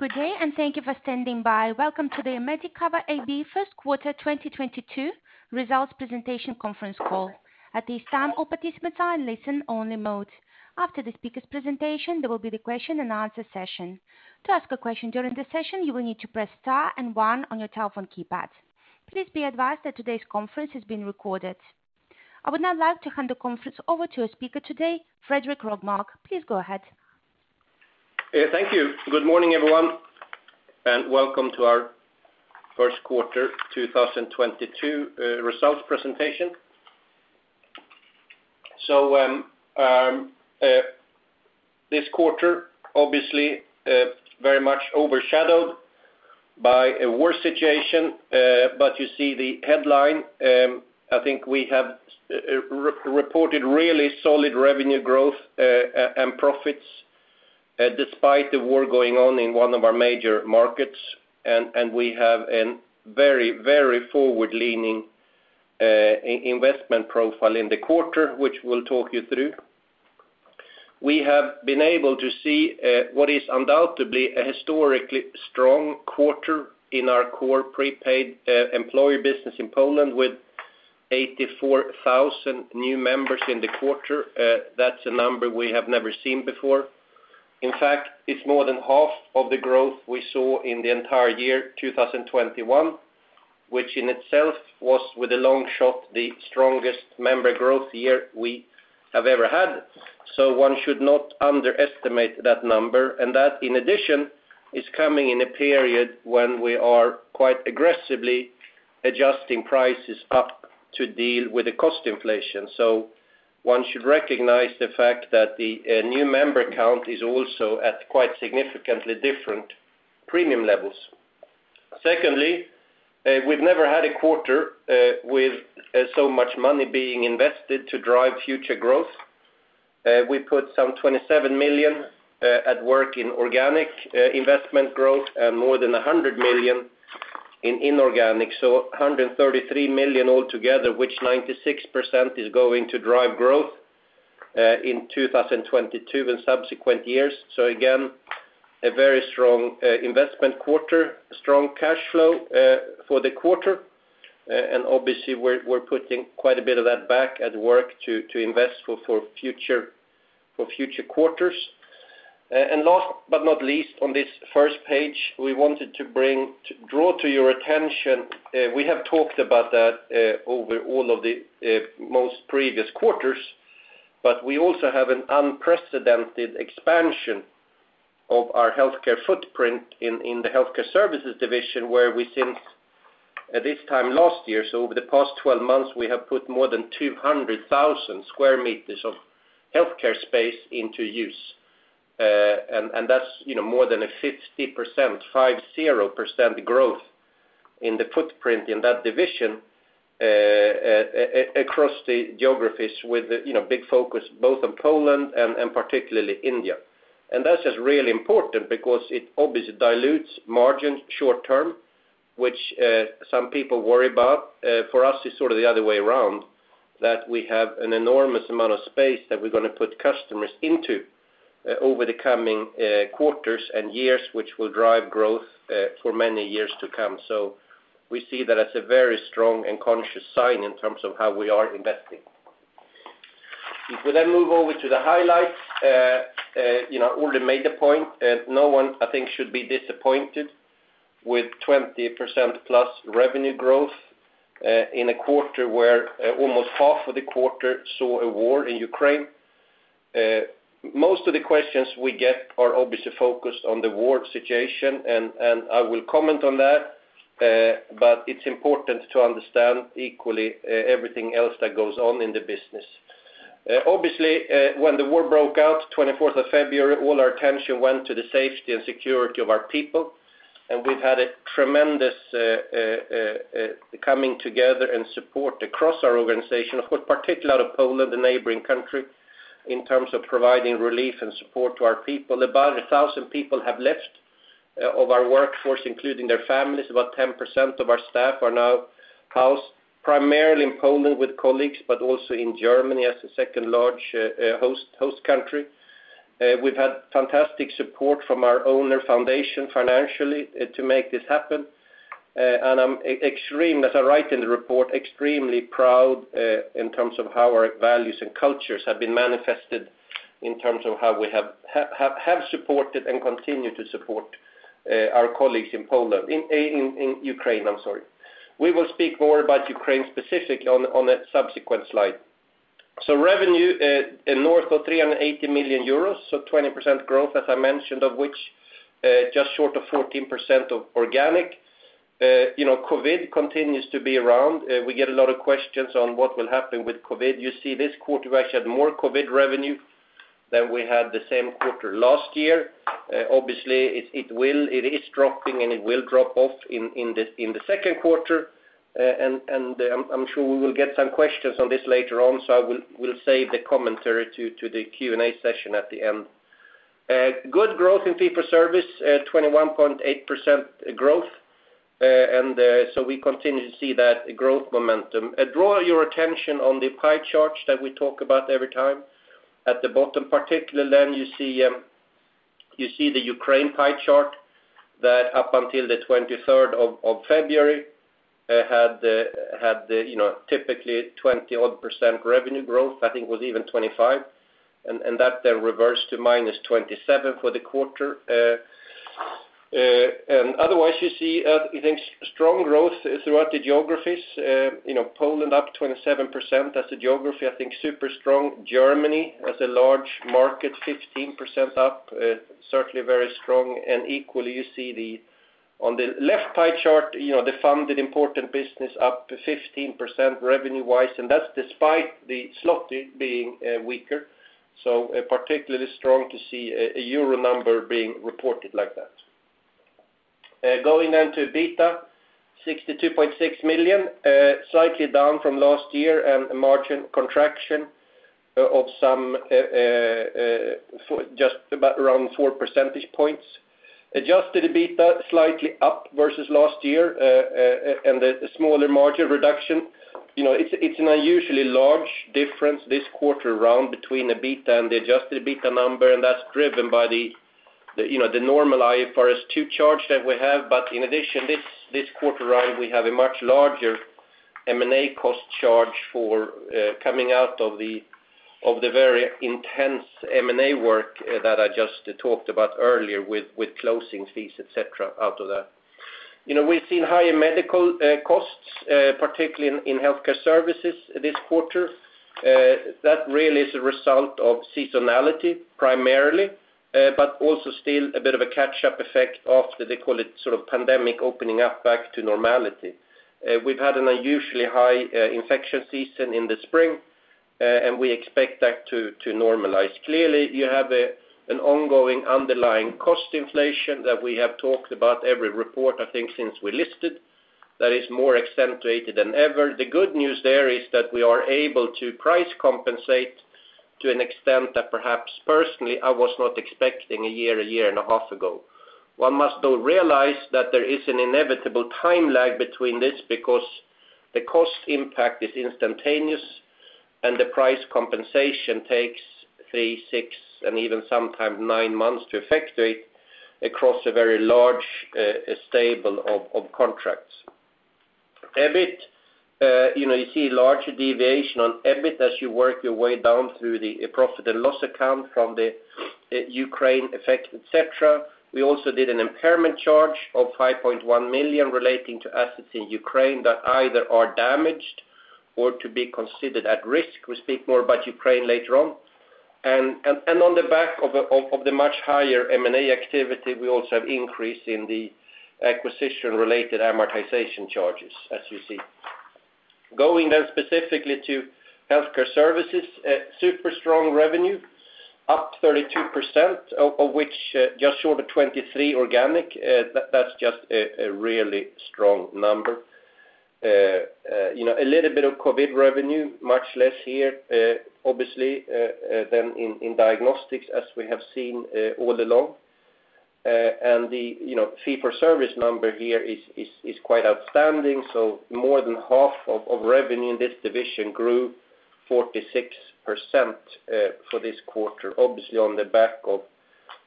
Good day, and thank you for standing by. Welcome to the Medicover AB first quarter 2022 results presentation conference call. At this time, all participants are in listen-only mode. After the speaker's presentation, there will be the question and answer session. To ask a question during the session, you will need to press star and one on your telephone keypad. Please be advised that today's conference is being recorded. I would now like to hand the conference over to our speaker today, Fredrik Rågmark. Please go ahead. Thank you. Good morning, everyone, and welcome to our first quarter 2022 results presentation. This quarter obviously very much overshadowed by a war situation. You see the headline. I think we have reported really solid revenue growth and profits despite the war going on in one of our major markets. We have a very forward-leaning investment profile in the quarter, which we'll talk you through. We have been able to see what is undoubtedly a historically strong quarter in our core prepaid employee business in Poland with 84,000 new members in the quarter. That's a number we have never seen before. In fact, it's more than half of the growth we saw in the entire year, 2021, which in itself was, by a long shot, the strongest member growth year we have ever had. One should not underestimate that number. That, in addition, is coming in a period when we are quite aggressively adjusting prices up to deal with the cost inflation. One should recognize the fact that the new member count is also at quite significantly different premium levels. Secondly, we've never had a quarter with so much money being invested to drive future growth. We put some 27 million at work in organic investment growth and more than 100 million in inorganic. 133 million altogether, which 96% is going to drive growth in 2022 and subsequent years. Again, a very strong investment quarter, strong cash flow for the quarter. Obviously we're putting quite a bit of that back to work to invest for future quarters. Last but not least on this first page we wanted to draw to your attention, we have talked about that over all of the most previous quarters. We also have an unprecedented expansion of our healthcare footprint in the Healthcare Services division, where we think at this time last year, so over the past twelve months, we have put more than 200,000 square meters of healthcare space into use. That's, you know, more than 50% growth in the footprint in that division across the geographies with, you know, big focus both on Poland and particularly India. That's just really important because it obviously dilutes margins short term, which some people worry about. For us, it's sort of the other way around, that we have an enormous amount of space that we're gonna put customers into over the coming quarters and years, which will drive growth for many years to come. We see that as a very strong and conscious sign in terms of how we are investing. If we move over to the highlights, you know, already made the point. No one, I think, should be disappointed with 20%+ revenue growth in a quarter where almost half of the quarter saw a war in Ukraine. Most of the questions we get are obviously focused on the war situation, and I will comment on that. But it's important to understand equally everything else that goes on in the business. Obviously, when the war broke out 24th of February, all our attention went to the safety and security of our people. We've had a tremendous coming together and support across our organization, of course, particularly out of Poland, the neighboring country, in terms of providing relief and support to our people. About 1,000 people have left of our workforce, including their families. About 10% of our staff are now housed primarily in Poland with colleagues, but also in Germany as the second largest host country. We've had fantastic support from our owner foundation financially to make this happen. I'm extremely proud, as I write in the report, in terms of how our values and cultures have been manifested in terms of how we have supported and continue to support our colleagues in Poland in Ukraine, I'm sorry. We will speak more about Ukraine specifically on a subsequent slide. Revenue north of 380 million euros, 20% growth, as I mentioned, of which just short of 14% organic. You know, COVID continues to be around. We get a lot of questions on what will happen with COVID. You see this quarter, we actually had more COVID revenue than we had the same quarter last year. Obviously, it is dropping, and it will drop off in the second quarter. I'm sure we will get some questions on this later on, so I will save the commentary to the Q&A session at the end. Good growth in fee for service at 21.8% growth. We continue to see that growth momentum. I draw your attention on the pie charts that we talk about every time. At the bottom, particularly then you see the Ukraine pie chart that up until the 23rd of February had, you know, typically 20-odd% revenue growth. I think it was even 25%. That then reversed to -27% for the quarter. Otherwise you see, I think strong growth throughout the geographies. You know, Poland up 27%. That's a geography, I think super strong. Germany as a large market, 15% up, certainly very strong. Equally, you see the, on the left pie chart, you know, the funded important business up 15% revenue-wise, and that's despite the zloty being weaker. Particularly strong to see a euro number being reported like that. Going then to EBITDA, 62.6 million, slightly down from last year and a margin contraction of around 4 percentage points. Adjusted EBITDA slightly up versus last year, and a smaller margin reduction. You know, it's an unusually large difference this quarter between the EBITDA and the adjusted EBITDA number, and that's driven by the you know, the normal IFRS 2 charge that we have. In addition, this quarter, we have a much larger M&A cost charge for coming out of the very intense M&A work that I just talked about earlier with closing fees, et cetera, out of that. You know, we've seen higher medical costs, particularly in healthcare services this quarter. That really is a result of seasonality primarily, but also still a bit of a catch-up effect after they call it sort of pandemic opening up back to normality. We've had an unusually high infection season in the spring, and we expect that to normalize. Clearly, you have an ongoing underlying cost inflation that we have talked about every report, I think, since we listed that is more accentuated than ever. The good news there is that we are able to price compensate to an extent that perhaps personally I was not expecting a year, a year and a half ago. One must though realize that there is an inevitable time lag between this because the cost impact is instantaneous and the price compensation takes three, six, and even sometimes nine months to effectuate across a very large stable of contracts. EBIT, you know, you see larger deviation on EBIT as you work your way down through the profit and loss account from the Ukraine effect, et cetera. We also did an impairment charge of 5.1 million relating to assets in Ukraine that either are damaged or to be considered at risk. We speak more about Ukraine later on. On the back of the much higher M&A activity, we also have increase in the acquisition-related amortization charges, as you see. Going then specifically to healthcare services, a super strong revenue, up 32%, of which just short of 23% organic. You know, a little bit of COVID revenue, much less here, obviously, than in diagnostics as we have seen all along. You know, fee for service number here is quite outstanding. More than half of revenue in this division grew 46% for this quarter, obviously on the back of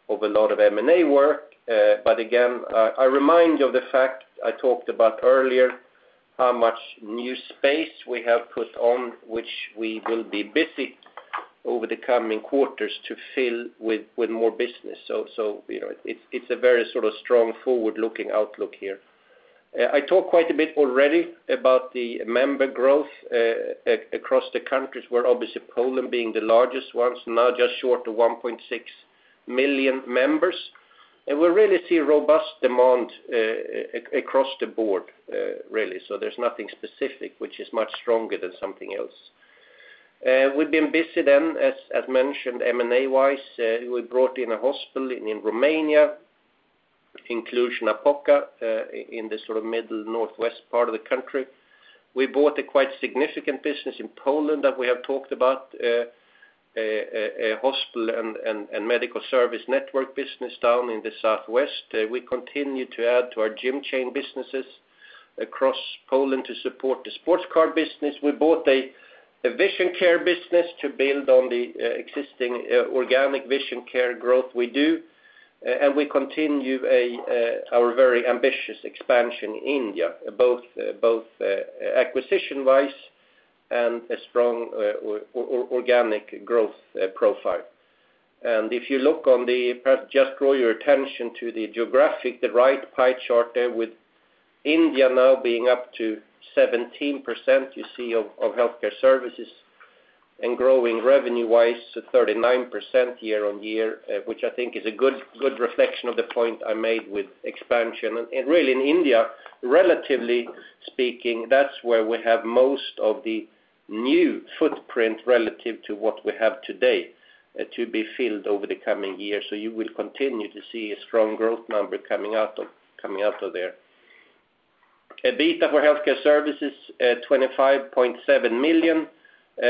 a lot of M&A work. Again, I remind you of the fact I talked about earlier how much new space we have put on which we will be busy over the coming quarters to fill with more business. You know, it's a very sort of strong forward-looking outlook here. I talked quite a bit already about the member growth across the countries where obviously Poland being the largest one, now just short of 1.6 million members. We really see robust demand across the board, really. There's nothing specific which is much stronger than something else. We've been busy then as mentioned, M&A-wise. We brought in a hospital in Romania, Cluj-Napoca, in the sort of middle northwest part of the country. We bought a quite significant business in Poland that we have talked about, a hospital and a medical service network business down in the southwest. We continue to add to our gym chain businesses across Poland to support the sports card business. We bought a vision care business to build on the existing organic vision care growth we do. We continue our very ambitious expansion in India, both acquisition-wise and a strong organic growth profile. If you look on the... Perhaps just draw your attention to the geographic, the right pie chart there with India now being up to 17% of healthcare services and growing revenue-wise to 39% year-over-year, which I think is a good reflection of the point I made with expansion. Really in India, relatively speaking, that's where we have most of the new footprint relative to what we have today to be filled over the coming years. You will continue to see a strong growth number coming out of there. EBITDA for healthcare services, 25.7 million.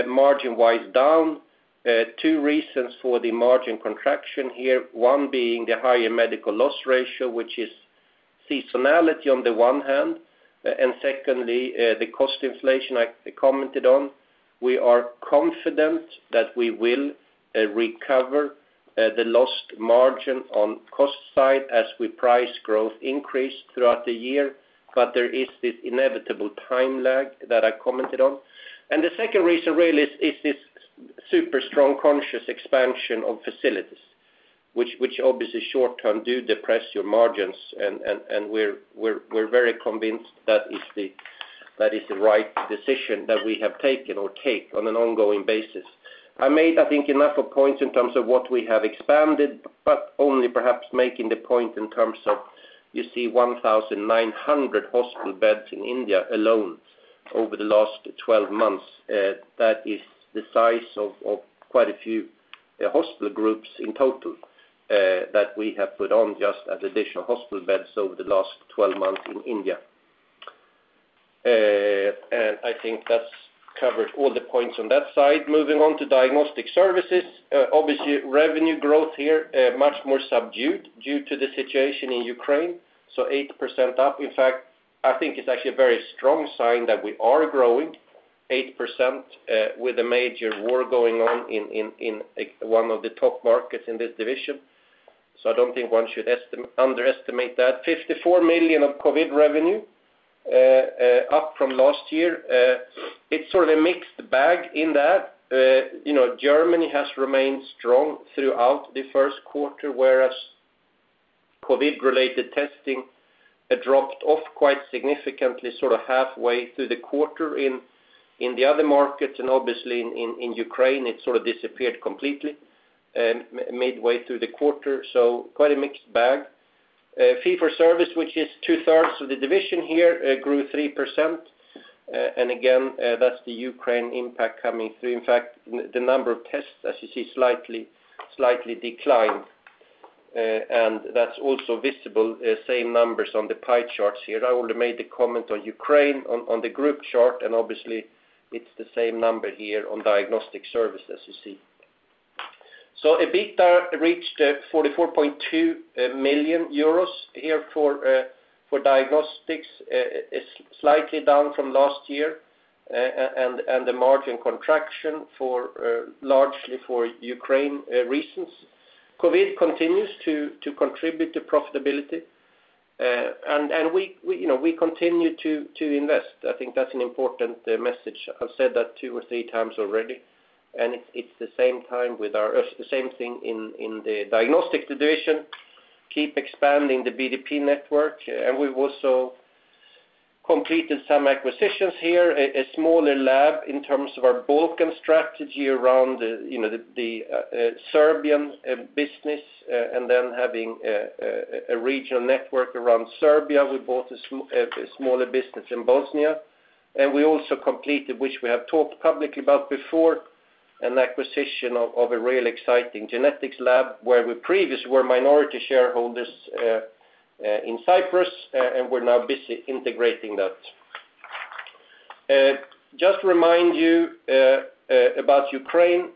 Margin-wise down. Two reasons for the margin contraction here. One being the higher medical loss ratio, which is seasonality on the one hand, and secondly, the cost inflation I commented on. We are confident that we will recover the lost margin on cost side as price growth increases throughout the year, but there is this inevitable time lag that I commented on. The second reason really is this super strong conscious expansion of facilities, which obviously short term do depress your margins and we're very convinced that is the right decision that we have taken or take on an ongoing basis. I made, I think, enough of points in terms of what we have expanded, but only perhaps making the point in terms of you see 1,900 hospital beds in India alone over the last 12 months. That is the size of of quite a few hospital groups in total, that we have put on just as additional hospital beds over the last 12 months in India. I think that's covered all the points on that side. Moving on to diagnostic services. Obviously revenue growth here, much more subdued due to the situation in Ukraine, 8% up. In fact, I think it's actually a very strong sign that we are growing 8%, with a major war going on in one of the top markets in this division. I don't think one should underestimate that. 54 million of COVID revenue up from last year. It's sort of a mixed bag in that, you know, Germany has remained strong throughout the first quarter, whereas COVID related testing had dropped off quite significantly sort of halfway through the quarter in the other markets, and obviously in Ukraine, it sort of disappeared completely midway through the quarter. Quite a mixed bag. Fee for service, which is two-thirds of the division here, grew 3%. Again, that's the Ukraine impact coming through. In fact, the number of tests, as you see, slightly declined. That's also visible, same numbers on the pie charts here. I already made the comment on Ukraine on the group chart, and obviously it's the same number here on diagnostic services, you see. EBITDA reached 44.2 million euros here for diagnostics. It's slightly down from last year, and the margin contraction largely for Ukraine reasons. COVID continues to contribute to profitability. We you know continue to invest. I think that's an important message. I've said that two or three times already, and it's the same thing in the diagnostics division, keep expanding the BDP network. We've also completed some acquisitions here, a smaller lab in terms of our Balkan strategy around you know the Serbian business, and then having a regional network around Serbia. We bought a smaller business in Bosnia. We also completed, which we have talked publicly about before, an acquisition of a real exciting genetics lab where we previously were minority shareholders in Cyprus, and we're now busy integrating that. Just to remind you about Ukraine,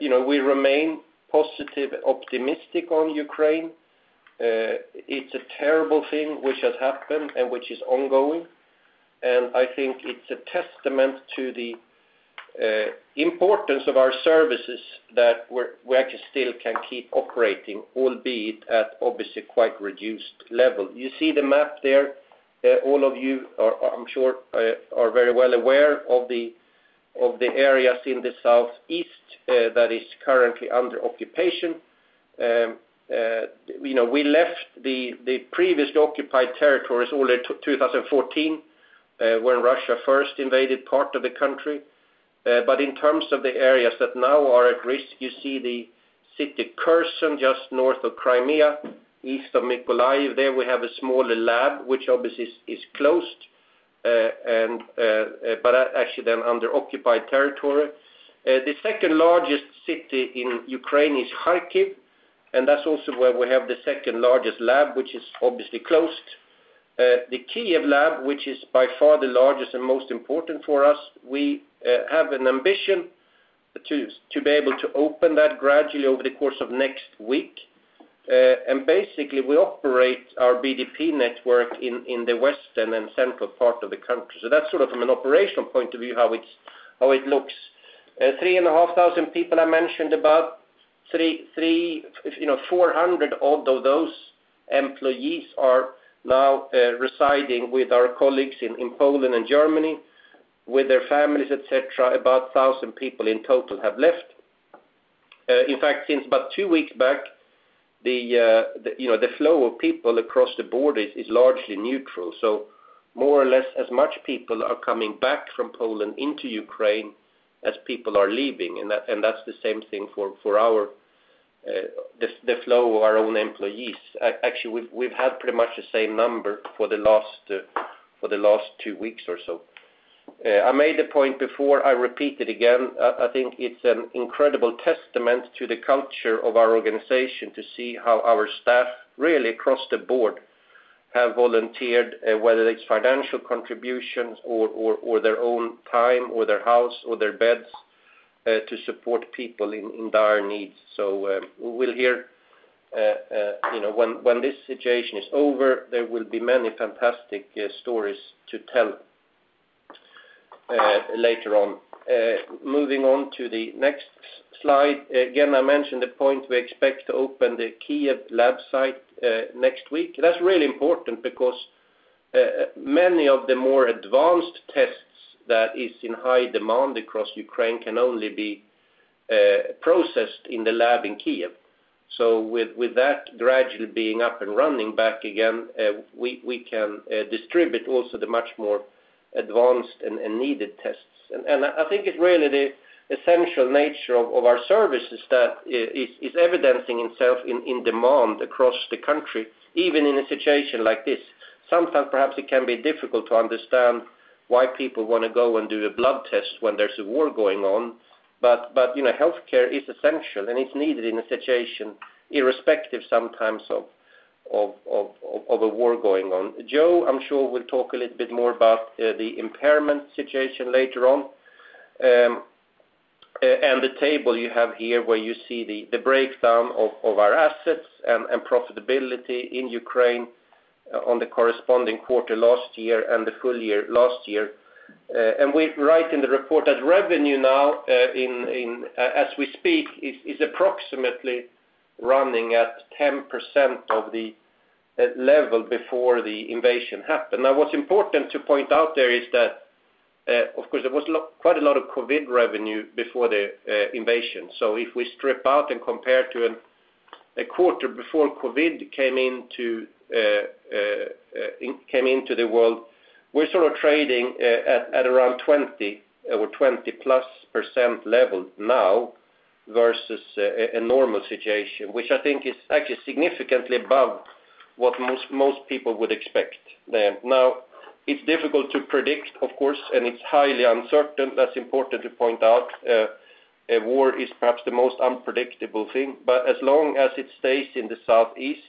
you know, we remain positive, optimistic on Ukraine. It's a terrible thing which has happened and which is ongoing. I think it's a testament to the importance of our services that we're actually still can keep operating, albeit at obviously quite reduced level. You see the map there. All of you are, I'm sure, very well aware of the areas in the southeast that is currently under occupation. You know, we left the previous occupied territories all in 2014 when Russia first invaded part of the country. In terms of the areas that now are at risk, you see the city Kherson just north of Crimea, east of Mykolaiv. There we have a smaller lab, which obviously is closed, and actually then under occupied territory. The second largest city in Ukraine is Kharkiv, and that's also where we have the second largest lab, which is obviously closed. The Kyiv lab, which is by far the largest and most important for us, we have an ambition to be able to open that gradually over the course of next week. Basically, we operate our BDP network in the western and central part of the country. That's sort of from an operational point of view how it looks. I mentioned about 3,500 people. Three, you know, 400-odd of those employees are now residing with our colleagues in Poland and Germany with their families, et cetera. About 1,000 people in total have left. In fact, since about two weeks back, the flow of people across the border is largely neutral. More or less as much people are coming back from Poland into Ukraine as people are leaving, and that's the same thing for the flow of our own employees. Actually, we've had pretty much the same number for the last two weeks or so. I made the point before. I repeat it again. I think it's an incredible testament to the culture of our organization to see how our staff really across the board have volunteered, whether it's financial contributions or their own time or their house or their beds to support people in dire needs. We will hear, when this situation is over, there will be many fantastic stories to tell later on. Moving on to the next slide. Again, I mentioned the point we expect to open the Kyiv lab site next week. That's really important because many of the more advanced tests that is in high demand across Ukraine can only be processed in the lab in Kyiv. With that gradually being up and running back again, we can distribute also the much more advanced and needed tests. I think it's really the essential nature of our services that is evidencing itself in demand across the country, even in a situation like this. Sometimes perhaps it can be difficult to understand why people want to go and do a blood test when there's a war going on. Healthcare is essential and it's needed in a situation irrespective sometimes of a war going on. Joe, I'm sure will talk a little bit more about the impairment situation later on. The table you have here, where you see the breakdown of our assets and profitability in Ukraine on the corresponding quarter last year and the full year last year. We write in the report that revenue now as we speak is approximately running at 10% of the level before the invasion happened. Now, what's important to point out there is that, of course, there was quite a lot of COVID revenue before the invasion. So if we strip out and compare to a quarter before COVID came into the world, we're sort of trading at around 20% or 20%+ level now versus a normal situation, which I think is actually significantly above what most people would expect then. Now, it's difficult to predict, of course, and it's highly uncertain. That's important to point out. A war is perhaps the most unpredictable thing. But as long as it stays in the southeast,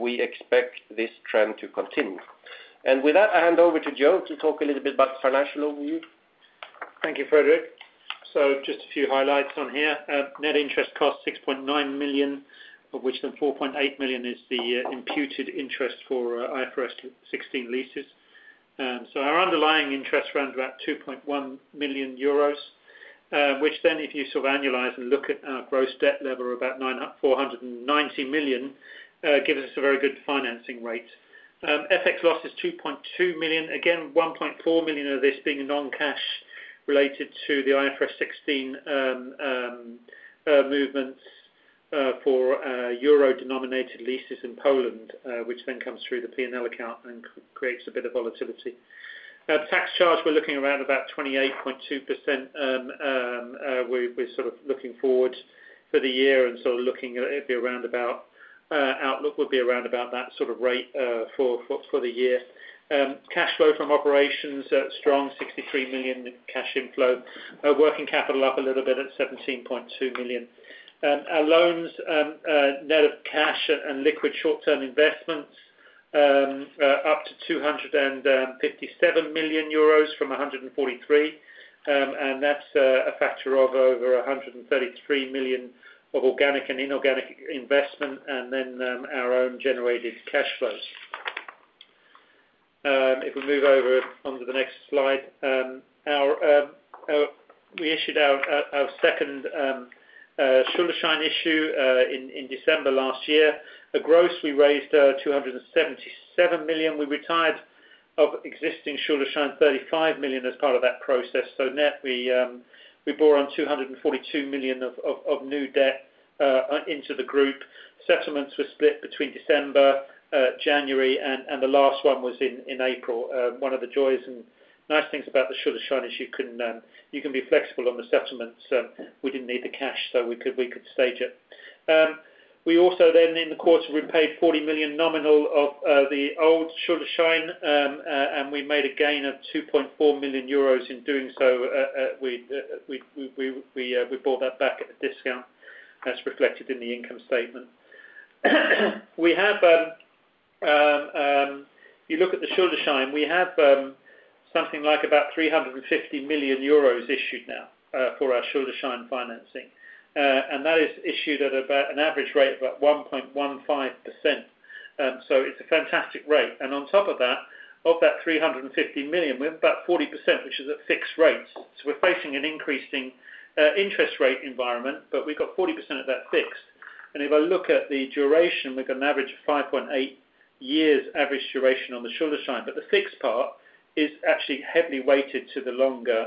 we expect this trend to continue. With that, I hand over to Joe to talk a little bit about the financial overview. Thank you, Fredrik. Just a few highlights on here. Net interest cost 6.9 million, of which the 4.8 million is the imputed interest for IFRS 16 leases. Our underlying interest runs about 2.1 million euros, which then if you sort of annualize and look at our gross debt level of about 490 million, gives us a very good financing rate. FX loss is 2.2 million. Again, 1.4 million of this being non-cash related to the IFRS 16 movements for euro denominated leases in Poland, which then comes through the P&L account and creates a bit of volatility. Tax charge, we're looking around about 28.2%. We're sort of looking forward for the year, outlook would be around about that sort of rate for the year. Cash flow from operations, strong 63 million cash inflow. Working capital up a little bit at 17.2 million. Our loans, net of cash and liquid short-term investments up to 257 million euros from 143 million. That's a factor of over 133 million of organic and inorganic investment and then our own generated cash flows. If we move over onto the next slide, we issued our second Schuldschein issue in December last year. Gross, we raised 277 million. We retired our existing Schuldschein 35 million as part of that process. Net, we borrowed 242 million of new debt into the group. Settlements were split between December, January, and the last one was in April. One of the joys and nice things about the Schuldschein is you can be flexible on the settlements. We didn't need the cash, so we could stage it. We also then in the quarter repaid 40 million nominal of the old Schuldschein, and we made a gain of 2.4 million euros in doing so. We bought that back at a discount as reflected in the income statement. You look at the Schuldschein, we have something like about 350 million euros issued now for our Schuldschein financing. That is issued at about an average rate of about 1.15%. It's a fantastic rate. On top of that, of that 350 million, we have about 40%, which is at fixed rates. We're facing an increasing interest rate environment, but we've got 40% of that fixed. If I look at the duration, we've got an average of 5.8 years average duration on the Schuldschein. The fixed part is actually heavily weighted to the longer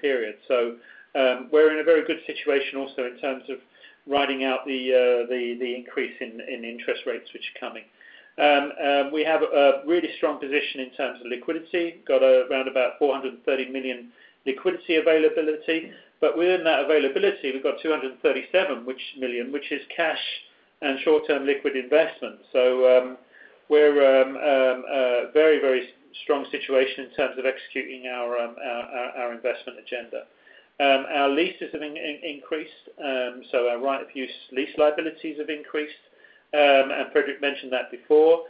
period. We're in a very good situation also in terms of riding out the increase in interest rates which are coming. We have a really strong position in terms of liquidity. Got around about 430 million liquidity availability. Within that availability, we've got 237 million, which is cash and short-term liquid investment. We're in a very strong situation in terms of executing our investment agenda. Our leases have increased. Our right of use lease liabilities have increased. Fredrik mentioned that before.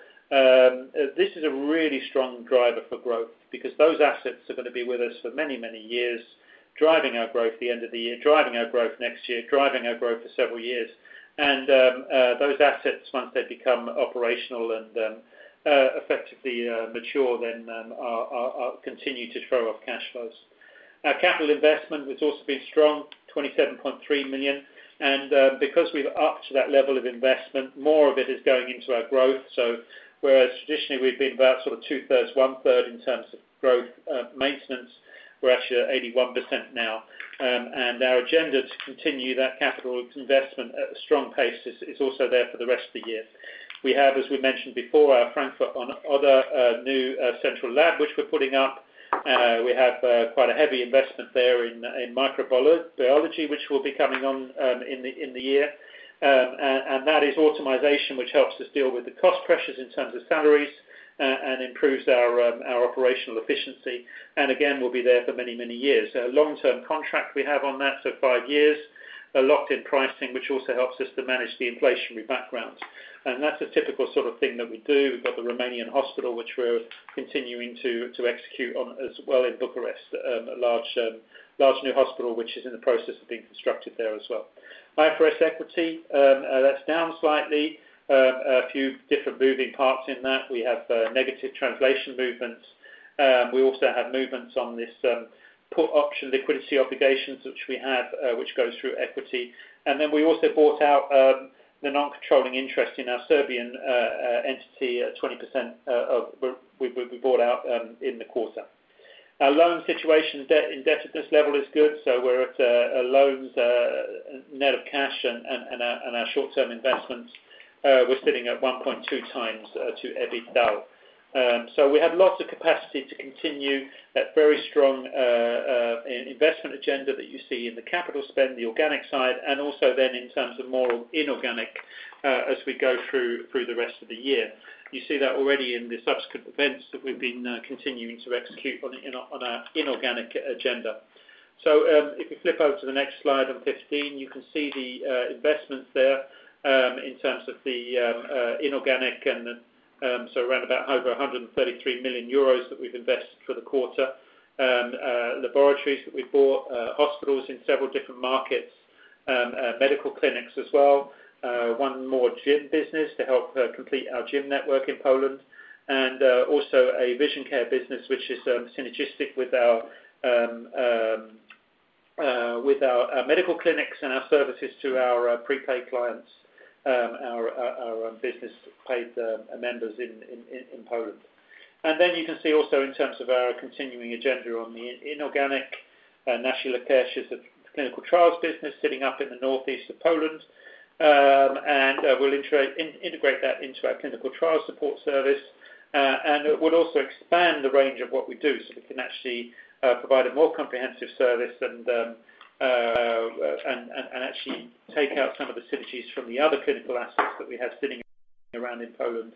This is a really strong driver for growth because those assets are gonna be with us for many years, driving our growth at the end of the year, driving our growth next year, driving our growth for several years. Those assets, once they become operational and effectively mature then, continue to throw off cash flows. Our capital investment has also been strong, 27.3 million. Because we've upped that level of investment, more of it is going into our growth. Whereas traditionally we've been about sort of two-thirds, one-third in terms of growth, maintenance, we're actually at 81% now. Our agenda to continue that capital investment at a strong pace is also there for the rest of the year. We have, as we mentioned before, our Frankfurt an der Oder new central lab, which we're putting up. We have quite a heavy investment there in microbiology, which will be coming on in the year. That is automation, which helps us deal with the cost pressures in terms of salaries, and improves our operational efficiency, and again, will be there for many years. A long-term contract we have on that, five years, a locked in pricing, which also helps us to manage the inflationary background. That's a typical sort of thing that we do. We've got the Romanian hospital, which we're continuing to execute on as well in Bucharest. A large new hospital which is in the process of being constructed there as well. IFRS equity, that's down slightly. A few different moving parts in that. We have negative translation movements. We also have movements on this put option liquidity obligations which we have, which goes through equity. We also bought out the non-controlling interest in our Serbian entity at 20%. We bought out in the quarter. Our loan situation, debt, indebtedness level is good, so we're at loans net of cash and our short-term investments. We're sitting at 1.2x to EBITDA. We have lots of capacity to continue that very strong investment agenda that you see in the capital spend, the organic side, and also in terms of more inorganic, as we go through the rest of the year. You see that already in the subsequent events that we've been continuing to execute on our inorganic agenda. If you flip over to the next slide on 15, you can see the investments there in terms of the inorganic and so around about over 133 million euros that we've invested for the quarter. Laboratories that we've bought, hospitals in several different markets, medical clinics as well. One more gym business to help complete our gym network in Poland. Also a vision care business, which is synergistic with our medical clinics and our services to our prepaid clients, our business paid members in Poland. You can see also in terms of our continuing agenda on the inorganic. Nasz Lekarz is a clinical trials business sitting up in the northeast of Poland. We'll integrate that into our clinical trial support service. It would also expand the range of what we do, so we can actually provide a more comprehensive service and actually take out some of the synergies from the other clinical assets that we have sitting around in Poland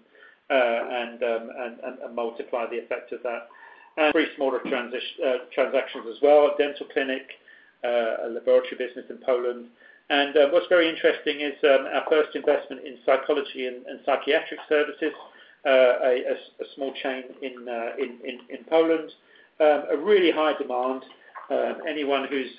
and multiply the effect of that. Three smaller transactions as well, a dental clinic, a laboratory business in Poland. What's very interesting is our first investment in psychology and psychiatric services, a small chain in Poland. A really high demand. Anyone who's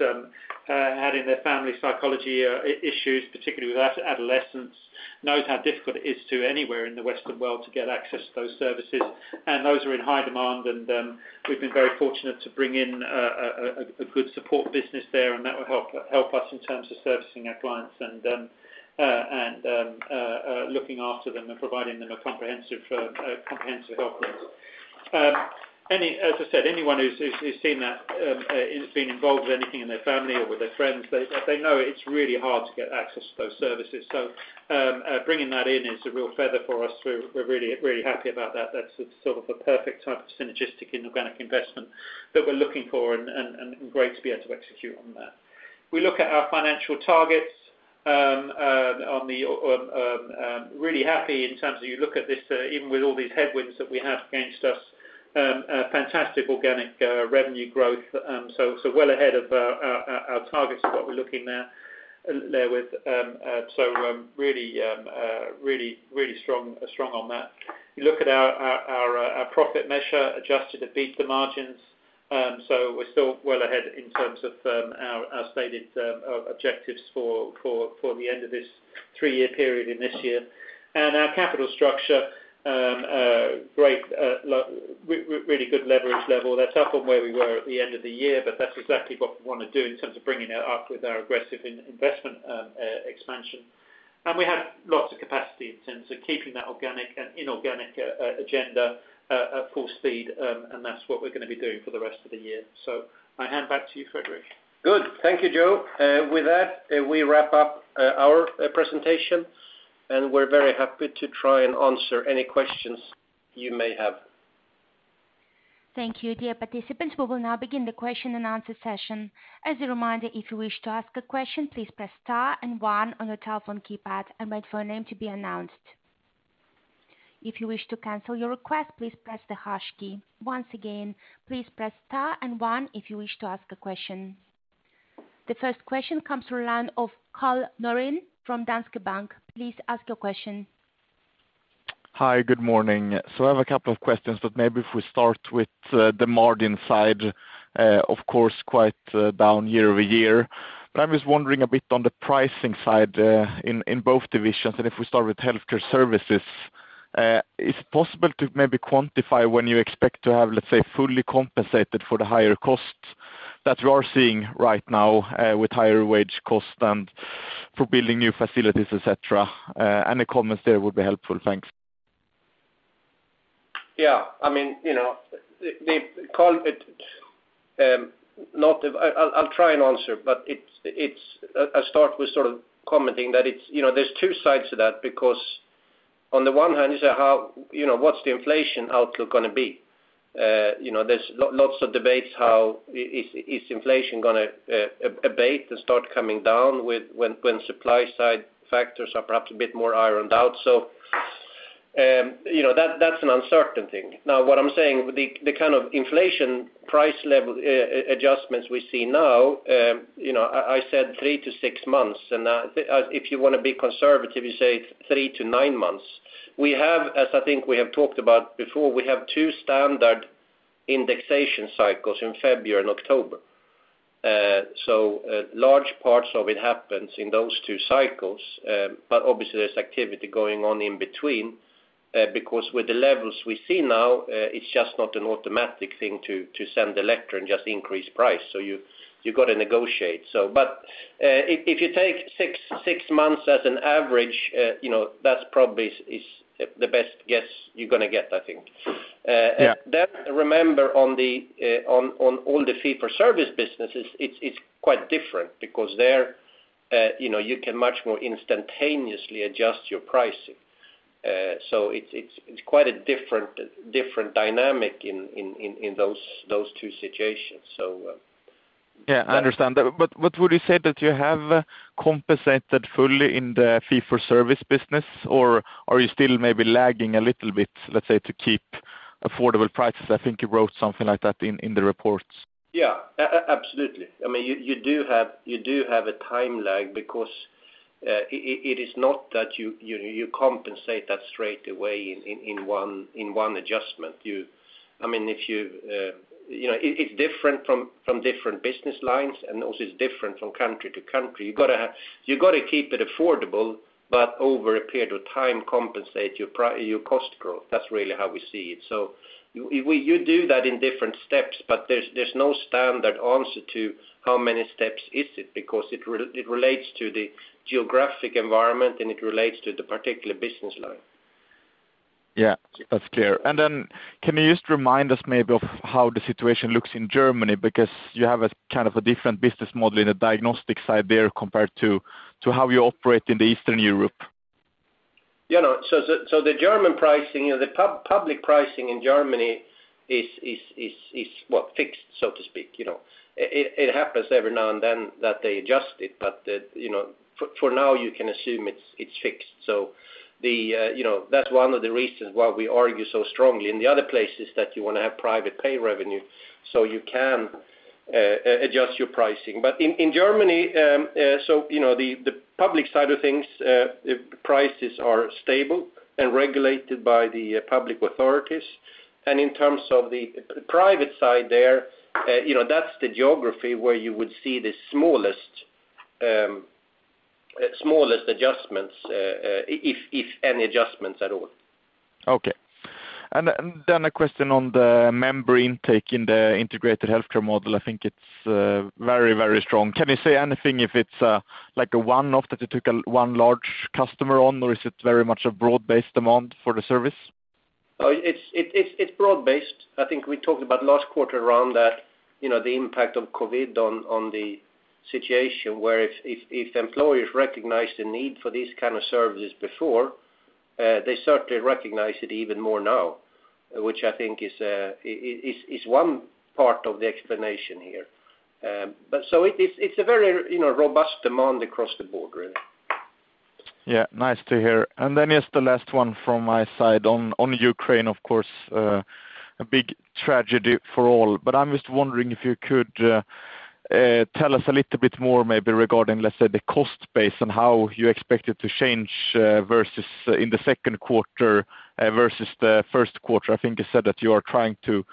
had in their family psychological issues, particularly with adolescents, knows how difficult it is anywhere in the Western world to get access to those services. Those are in high demand, and we've been very fortunate to bring in a good support business there, and that will help us in terms of servicing our clients and looking after them and providing them a comprehensive health range. As I said, anyone who's seen that has been involved with anything in their family or with their friends, they know it's really hard to get access to those services. Bringing that in is a real feather for us. We're really happy about that. That's sort of the perfect type of synergistic, inorganic investment that we're looking for and great to be able to execute on that. We look at our financial targets, really happy in terms of you look at this, even with all these headwinds that we have against us, a fantastic organic revenue growth. So well ahead of our targets of what we're looking there with. So really strong on that. You look at our profit measure adjusted EBITDA margins. So we're still well ahead in terms of our stated objectives for the end of this three-year period in this year. Our capital structure, really good leverage level. That's up on where we were at the end of the year, but that's exactly what we wanna do in terms of bringing it up with our aggressive investment expansion. We have lots of capacity in terms of keeping that organic and inorganic agenda full speed, and that's what we're gonna be doing for the rest of the year. I hand back to you, Fredrik. Good. Thank you, Joe. With that, we wrap up our presentation, and we're very happy to try and answer any questions you may have. Thank you, dear participants. We will now begin the question and answer session. As a reminder, if you wish to ask a question, please press star and one on your telephone keypad and wait for a name to be announced. If you wish to cancel your request, please press the hash key. Once again, please press star and one if you wish to ask a question. The first question comes from the line of Karl Norén from Danske Bank. Please ask your question. Hi, good morning. I have a couple of questions, but maybe if we start with the margin side, of course, quite down year-over-year. I'm just wondering a bit on the pricing side in both divisions, and if we start with Healthcare Services. Is it possible to maybe quantify when you expect to have, let's say, fully compensated for the higher costs that you are seeing right now with higher wage costs and for building new facilities, et cetera? Any comments there would be helpful. Thanks. Yeah. I mean, you know, Karl, I'll try and answer, but it's, I'll start with sort of commenting that it's, you know, there's two sides to that because on the one hand, you say how, you know, what's the inflation outlook gonna be? You know, there's lots of debates how is inflation gonna abate and start coming down when supply side factors are perhaps a bit more ironed out. You know, that's an uncertain thing. Now, what I'm saying, the kind of inflation price level adjustments we see now, you know, I said three to six months, and if you wanna be conservative, you say three to nine months. We have, as I think we have talked about before, we have two standard indexation cycles in February and October. Large parts of it happens in those two cycles. Obviously there's activity going on in between, because with the levels we see now, it's just not an automatic thing to send a letter and just increase price. You've got to negotiate. If you take six months as an average, you know, that's probably the best guess you're gonna get, I think. Yeah. Remember on all the fee for service businesses, it's quite different because there you know you can much more instantaneously adjust your pricing. It's quite a different dynamic in those two situations. Yeah, I understand that. Would you say that you have compensated fully in the fee for service business, or are you still maybe lagging a little bit, let's say, to keep affordable prices? I think you wrote something like that in the reports. Yeah. Absolutely. I mean, you do have a time lag because it is not that you compensate that straight away in one adjustment. I mean, if you know, it's different from different business lines, and also it's different from country to country. You gotta keep it affordable, but over a period of time compensate your cost growth. That's really how we see it. So you do that in different steps, but there's no standard answer to how many steps is it because it relates to the geographic environment, and it relates to the particular business line. Yeah, that's clear. Can you just remind us maybe of how the situation looks in Germany? Because you have a kind of a different business model in the diagnostic side there compared to how you operate in the Eastern Europe. You know, the German pricing, you know, the public pricing in Germany is well fixed, so to speak, you know. It happens every now and then that they adjust it, but you know, for now you can assume it's fixed. You know, that's one of the reasons why we argue so strongly in the other places that you wanna have private pay revenue, so you can adjust your pricing. In Germany, you know, the public side of things, prices are stable and regulated by the public authorities. In terms of the private side there, you know, that's the geography where you would see the smallest adjustments, if any adjustments at all. Okay. A question on the member intake in the integrated healthcare model. I think it's very, very strong. Can you say anything if it's like a one-off that you took one large customer on, or is it very much a broad-based demand for the service? It's broad-based. I think we talked about last quarter around that, you know, the impact of COVID on the situation where if employers recognize the need for these kind of services before, they certainly recognize it even more now, which I think is one part of the explanation here. It's a very, you know, robust demand across the board, really. Yeah. Nice to hear. Just the last one from my side on Ukraine, of course, a big tragedy for all. I'm just wondering if you could tell us a little bit more maybe regarding, let's say, the cost base and how you expect it to change versus in the second quarter versus the first quarter. I think you said that you are trying to,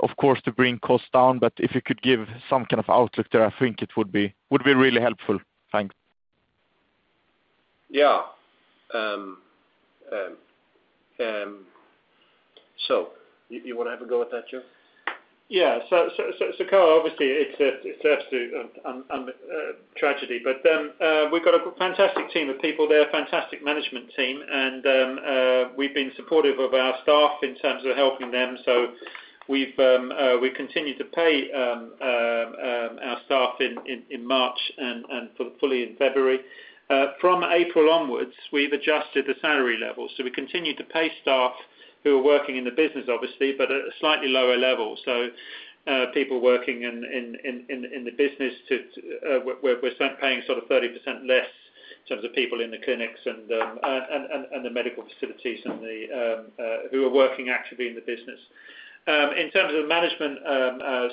of course, to bring costs down, but if you could give some kind of outlook there, I think it would be really helpful. Thanks. Yeah. You wanna have a go at that, Joe? Yeah. Karl, obviously, it's a tragedy. We've got a fantastic team of people there, fantastic management team. We've been supportive of our staff in terms of helping them. We continue to pay staff in March and fully in February. From April onwards, we've adjusted the salary level. We continue to pay staff who are working in the business obviously, but at a slightly lower level. People working in the business too, we're starting to pay sort of 30% less to the people in the clinics and the medical facilities and who are working actively in the business. In terms of management,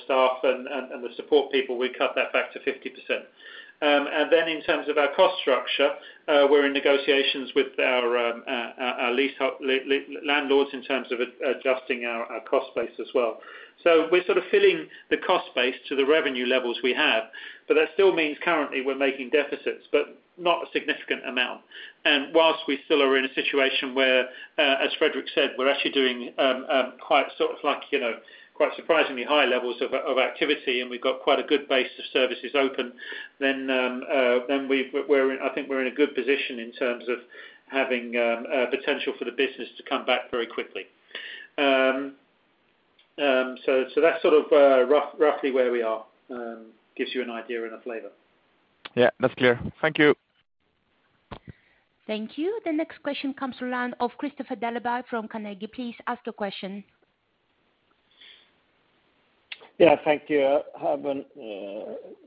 staff and the support people, we cut that back to 50%. Then in terms of our cost structure, we're in negotiations with our landlords in terms of adjusting our cost base as well. We're sort of fitting the cost base to the revenue levels we have. That still means currently we're making deficits, but not a significant amount. While we still are in a situation where, as Fredrik said, we're actually doing quite sort of like, you know, quite surprisingly high levels of activity, and we've got quite a good base of services open, then, I think, we're in a good position in terms of having a potential for the business to come back very quickly. That's sort of roughly where we are. Gives you an idea and a flavor. Yeah, that's clear. Thank you. Thank you. The next question comes to the line of Kristofer Liljeberg from Carnegie. Please ask your question. Yeah, thank you. I have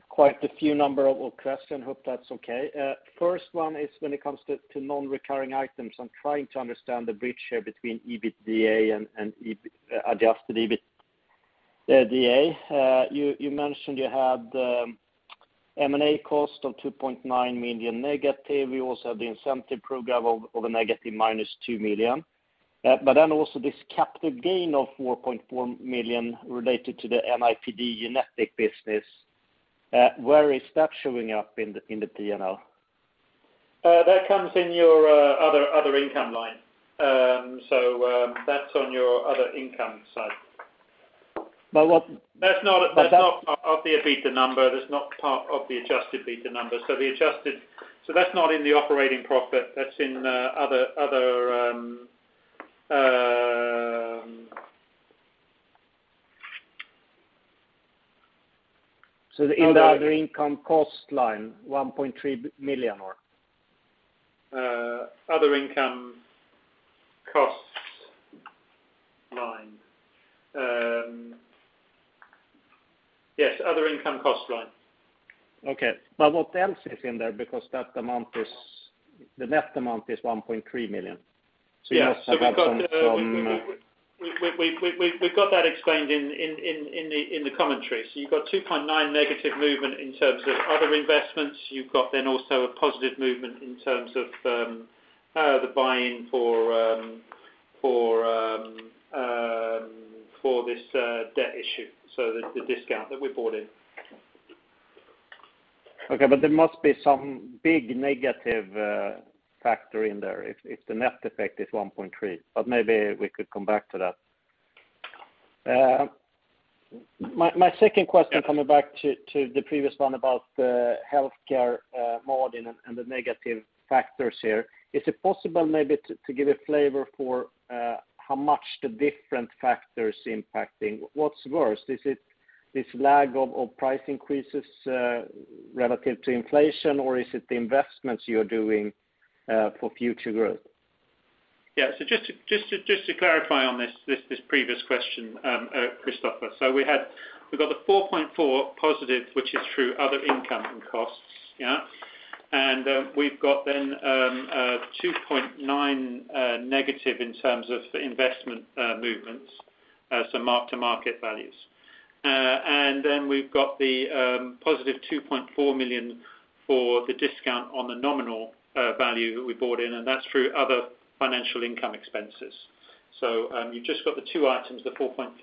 quite a few number of questions. Hope that's okay. First one is when it comes to to non-recurring items, I'm trying to understand the bridge here between EBITDA and adjusted EBITDA. You mentioned you had M&A cost of -2.9 million. You also had the incentive program of a -2 million. But then also this capital gain of 4.4 million related to the NIPD Genetics business. Where is that showing up in the P&L? That comes in your other income line. That's on your other income side. But what- That's not of the EBITDA number. That's not part of the adjusted EBITDA number. That's not in the operating profit. That's in other. In the other income cost line, 1.3 million? Other income costs line. Yes, other income cost line. Okay. What else is in there? Because the net amount is 1.3 million. Yes. You must have had some- We've got that explained in the commentary. You've got 2.9 negative movement in terms of other investments. You've got then also a positive movement in terms of the buying for this debt issue. The discount that we bought in. Okay, there must be some big negative factor in there if the net effect is 1.3%. Maybe we could come back to that. My second question coming back to the previous one about the healthcare margin and the negative factors here. Is it possible maybe to give a flavor for how much the different factors impacting? What's worse, is it this lag of price increases relative to inflation, or is it the investments you're doing for future growth? To clarify on this previous question, Kristofer. We've got the +4.4 million, which is through other income and costs. We've got then the -2.9 million in terms of the investment movements, mark-to-market values. Then we've got the +2.4 million for the discount on the nominal value that we bought in, and that's through other financial income expenses. You've just got the two items, the +4.4 million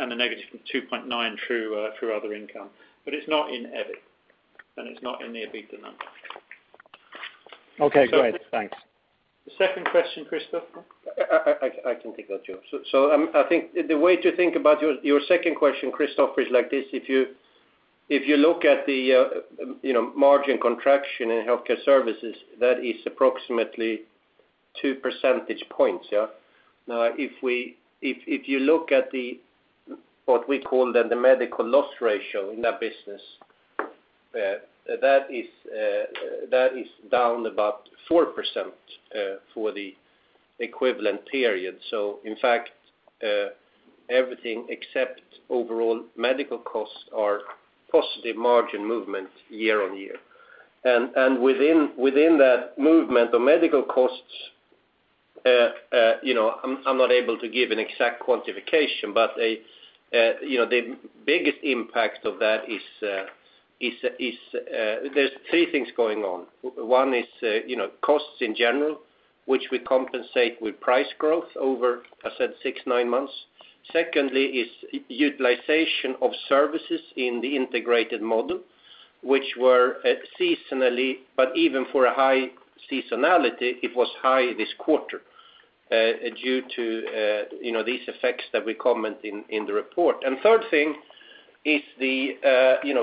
and the -2.9 million through other income. It's not in EBIT, and it's not in the EBITDA number. Okay, great. Thanks. The second question, Kristofer? I can take that job. I think the way to think about your second question, Kristofer, is like this: if you look at the, you know, margin contraction in Healthcare Services, that is approximately 2 percentage points, yeah. Now, if you look at what we call then the Medical Loss Ratio in that business, that is down about 4% for the equivalent period. In fact, everything except overall medical costs are positive margin movement year-over-year. Within that movement of medical costs, you know, I'm not able to give an exact quantification, but, you know, the biggest impact of that is, there's three things going on. One is costs in general, which we compensate with price growth over, I said, six, nine months. Secondly is utilization of services in the integrated model, which were seasonally, but even for a high seasonality, it was high this quarter, due to these effects that we comment in the report. Third thing is the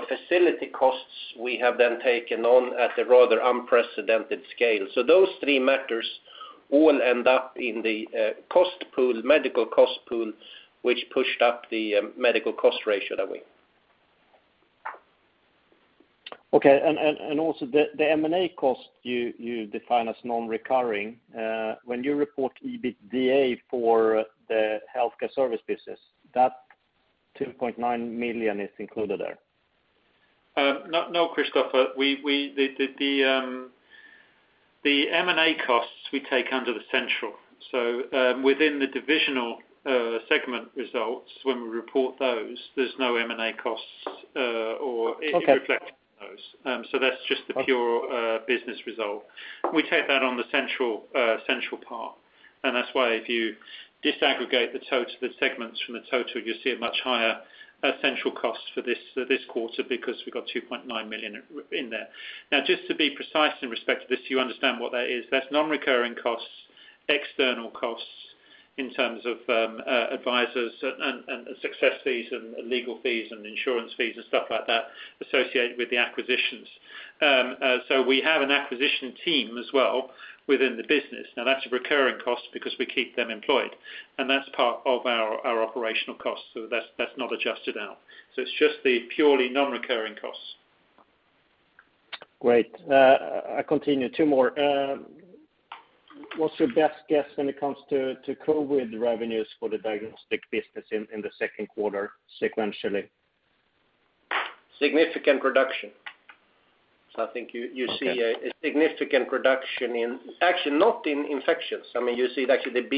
facility costs we have then taken on at a rather unprecedented scale. Those three matters all end up in the cost pool, medical cost pool, which pushed up the medical loss ratio that way. Okay. Also, the M&A cost you define as non-recurring. When you report EBITDA for the healthcare service business, that 2.9 million is included there. No, Kristofer. The M&A costs we take under the central. Within the divisional segment results, when we report those, there's no M&A costs, or it reflects those. That's just the pure business result. We take that on the central part, and that's why if you disaggregate the total, the segments from the total, you see a much higher central cost for this quarter because we've got 2.9 million in there. Now, just to be precise in respect to this, so you understand what that is, that's non-recurring costs, external costs in terms of advisors and success fees and legal fees and insurance fees and stuff like that associated with the acquisitions. We have an acquisition team as well within the business. Now, that's a recurring cost because we keep them employed, and that's part of our operational costs. That's not adjusted out. It's just the purely non-recurring costs. Great. I continue. Two more. What's your best guess when it comes to COVID revenues for the diagnostic business in the second quarter sequentially? Significant reduction. I think you see a significant reduction. Actually, not in infections. I mean, you see that actually the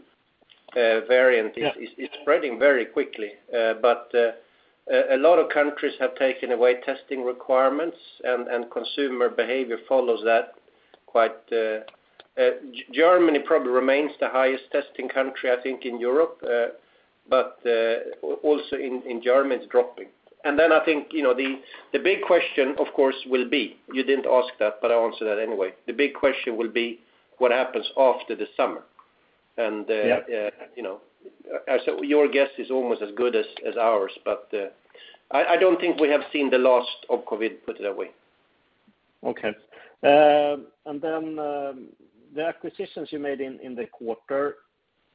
BA.2 variant is spreading very quickly. A lot of countries have taken away testing requirements and consumer behavior follows that quite. Germany probably remains the highest testing country, I think, in Europe. Also in Germany, it's dropping. I think, you know, the big question, of course, will be, you didn't ask that, but I'll answer that anyway. The big question will be what happens after the summer. You know, your guess is almost as good as ours. I don't think we have seen the last of COVID, put it that way. Okay. The acquisitions you made in the quarter,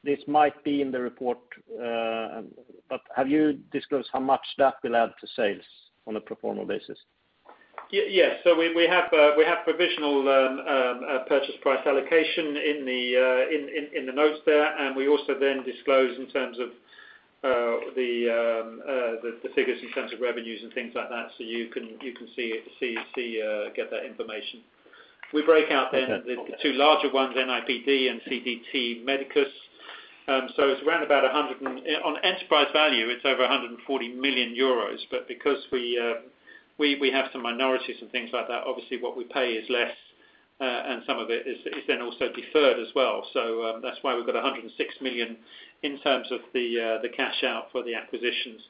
this might be in the report, but have you disclosed how much that will add to sales on a pro forma basis? Yes. We have provisional purchase price allocation in the notes there. We also disclose in terms of the figures in terms of revenues and things like that. You can see get that information. We break out the two larger ones, NIPD and CDT Medicus. It's around about 100 and, on enterprise value, it's over 140 million euros. Because we have some minorities and things like that, obviously what we pay is less, and some of it is then also deferred as well. That's why we've got 106 million in terms of the cash out for the acquisitions.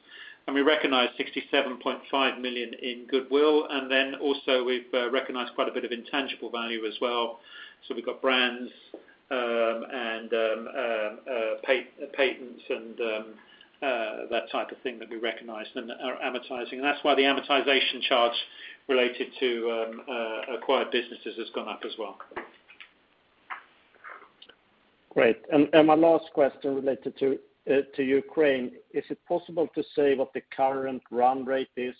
We recognize 67.5 million in goodwill, and then also we've recognized quite a bit of intangible value as well. We've got brands, and patents and that type of thing that we recognize and are amortizing. That's why the amortization charge related to acquired businesses has gone up as well. Great. My last question related to Ukraine. Is it possible to say what the current run rate is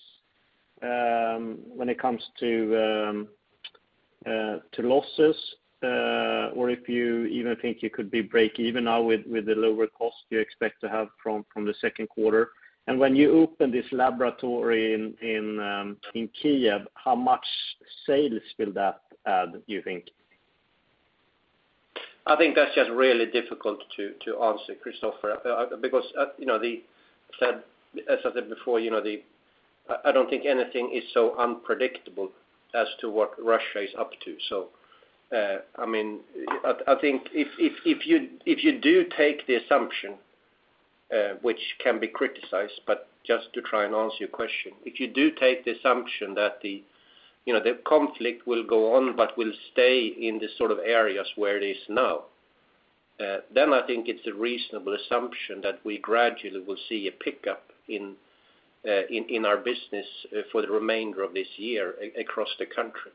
when it comes to losses, or if you even think you could be breakeven now with the lower cost you expect to have from the second quarter? When you open this laboratory in Kyiv, how much sales will that add, you think? I think that's just really difficult to answer, Kristofer, because, as I said before, I don't think anything is so unpredictable as to what Russia is up to. I think if you do take the assumption, which can be criticized, but just to try and answer your question. If you do take the assumption that the conflict will go on, but will stay in the sort of areas where it is now, then I think it's a reasonable assumption that we gradually will see a pickup in our business for the remainder of this year across the country.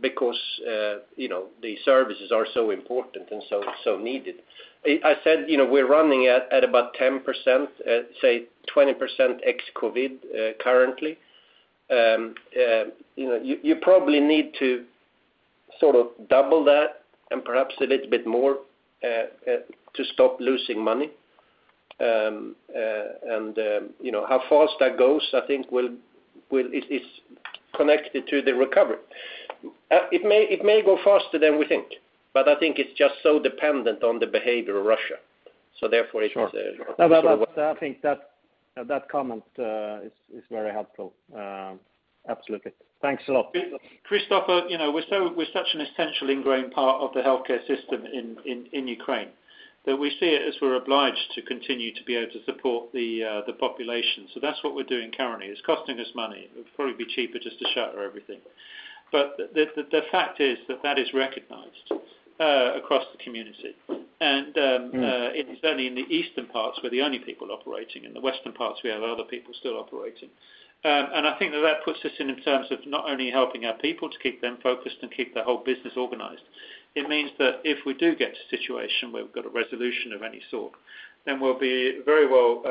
Because the services are so important and so needed. I said, you know, we're running at about 10%, say 20% ex-COVID, currently. You know, you probably need to sort of double that and perhaps a little bit more to stop losing money. You know, how fast that goes, I think is connected to the recovery. It may go faster than we think, but I think it's just so dependent on the behavior of Russia. Therefore it was- Sure. No, but I think that comment is very helpful. Absolutely. Thanks a lot. Kristofer, you know, we're We're such an essential ingrained part of the healthcare system in Ukraine that we see it as we're obliged to continue to be able to support the the population. That's what we're doing currently. It's costing us money. It would probably be cheaper just to shutter everything. The fact is that that is recognized across the community. It is only in the eastern parts where the only people operating. In the western parts, we have other people still operating. I think that that puts us in terms of not only helping our people to keep them focused and keep the whole business organized. It means that if we do get to a situation where we've got a resolution of any sort, then we'll be very well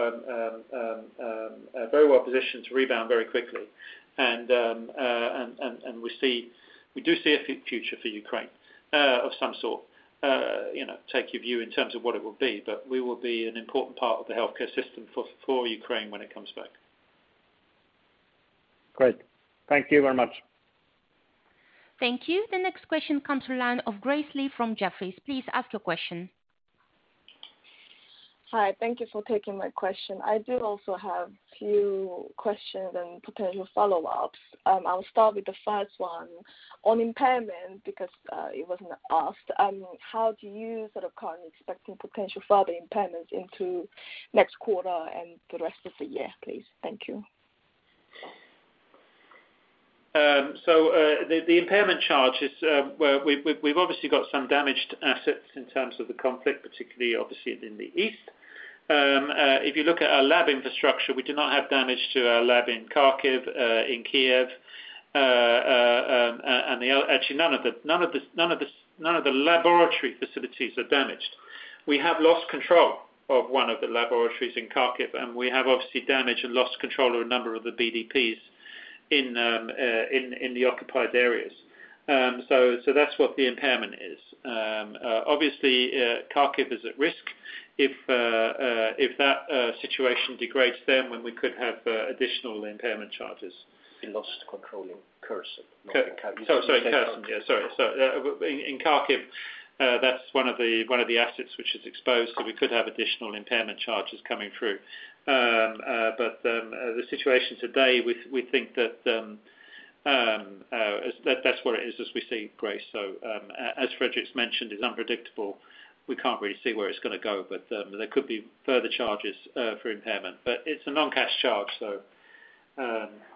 positioned to rebound very quickly. We do see a future for Ukraine of some sort. You know, take your view in terms of what it will be, but we will be an important part of the healthcare system for Ukraine when it comes back. Great. Thank you very much. Thank you. The next question comes from the line of Grace Lee from Jefferies. Please ask your question. Hi. Thank you for taking my question. I do also have few questions and potential follow-ups. I'll start with the first one. On impairment, because it wasn't asked, how do you sort of currently expect potential further impairment into next quarter and the rest of the year, please? Thank you. The impairment charge is, well, we've obviously got some damaged assets in terms of the conflict, particularly obviously in the east. If you look at our lab infrastructure, we do not have damage to our lab in Kharkiv, in Kyiv. Actually, none of the laboratory facilities are damaged. We have lost control of one of the laboratories in Kharkiv, and we have obviously damaged and lost control of a number of the BDPs in the occupied areas. That's what the impairment is. Obviously, Kharkiv is at risk. If that situation degrades, then we could have additional impairment charges. We lost control in Kherson, not in Kharkiv. Sorry. Kherson. In Kharkiv, that's one of the assets which is exposed, so we could have additional impairment charges coming through. The situation today, we think that that's where it is as we see, Grace. Fredrik's mentioned, it's unpredictable. We can't really see where it's gonna go, but there could be further charges for impairment. It's a non-cash charge, so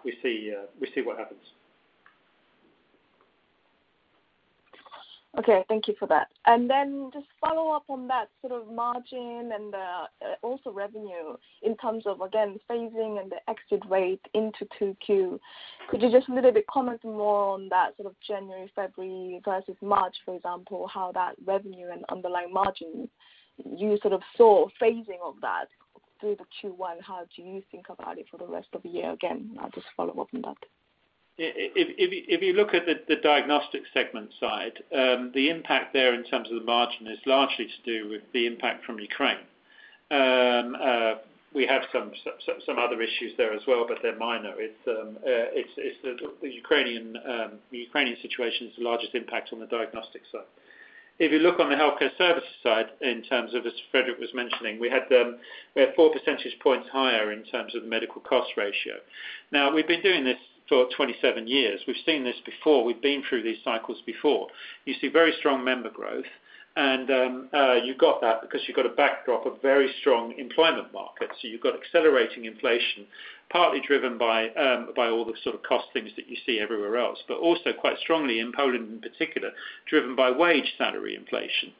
we see what happens. Okay. Thank you for that. Just follow up on that sort of margin and also revenue in terms of, again, phasing and the exit rate into 2Q. Could you just a little bit comment more on that sort of January, February versus March, for example, how that revenue and underlying margin you sort of saw phasing of that through the Q1? How do you think about it for the rest of the year? Again, I'll just follow up on that. If you look at the diagnostic segment side, the impact there in terms of the margin is largely to do with the impact from Ukraine. We have some other issues there as well, but they're minor. It's the Ukrainian situation is the largest impact on the diagnostic side. If you look on the healthcare services side, in terms of, as Fredrik was mentioning, we had 4 percentage points higher in terms of medical loss ratio. Now, we've been doing this for 27 years. We've seen this before. We've been through these cycles before. You see very strong member growth, and you've got that because you've got a backdrop of very strong employment market. You've got accelerating inflation, partly driven by all the sort of cost things that you see everywhere else, also quite strongly in Poland, in particular, driven by wage salary inflation.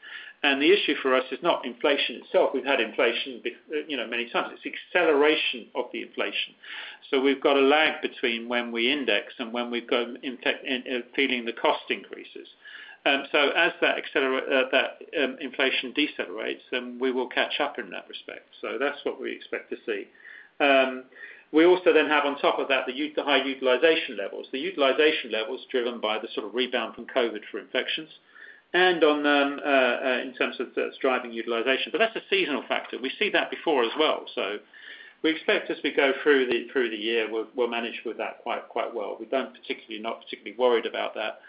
The issue for us is not inflation itself. We've had inflation, you know, many times. It's acceleration of the inflation. We've got a lag between when we index and when we're feeling the cost increases. As that inflation decelerates, then we will catch up in that respect. That's what we expect to see. We also have on top of that the high utilization levels. The utilization levels driven by the sort of rebound from COVID for infections, in terms of that's driving utilization. That's a seasonal factor. We see that before as well. We expect as we go through the year, we'll manage with that quite well. We're not particularly worried about that.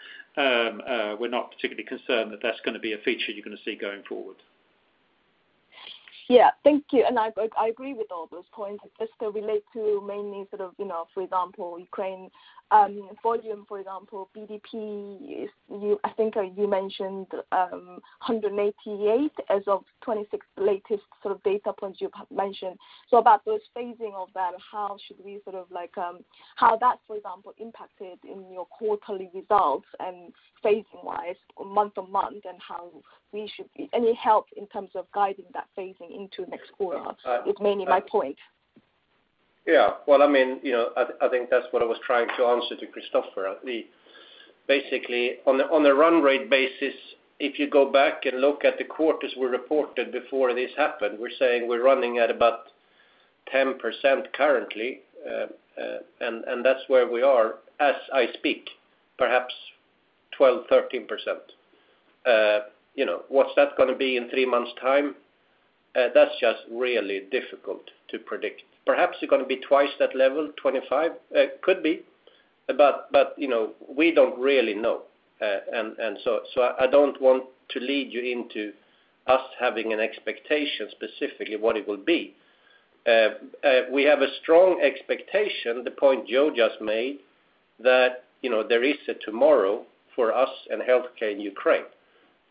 We're not particularly concerned that that's gonna be a feature you're gonna see going forward. Yeah. Thank you. I agree with all those points. Just to relate to mainly sort of, you know, for example, Ukraine, volume, for example, BDP, I think you mentioned 188 as of 26th latest sort of data points you've mentioned. So about those phasing of that, how should we sort of like how that, for example, impacted in your quarterly results and phasing wise month to month and how we should be any help in terms of guiding that phasing into next quarter is mainly my point. Well, I mean, you know, I think that's what I was trying to answer to Kristofer. Basically, on a run rate basis, if you go back and look at the quarters we reported before this happened, we're saying we're running at about 10% currently. And that's where we are as I speak, perhaps 12%-13%. You know, what's that gonna be in three months' time? That's just really difficult to predict. Perhaps it's gonna be twice that level, 25%. Could be. But you know, we don't really know. And so I don't want to lead you into us having an expectation specifically what it will be. We have a strong expectation, the point Joe just made, that you know, there is a tomorrow for us and healthcare in Ukraine.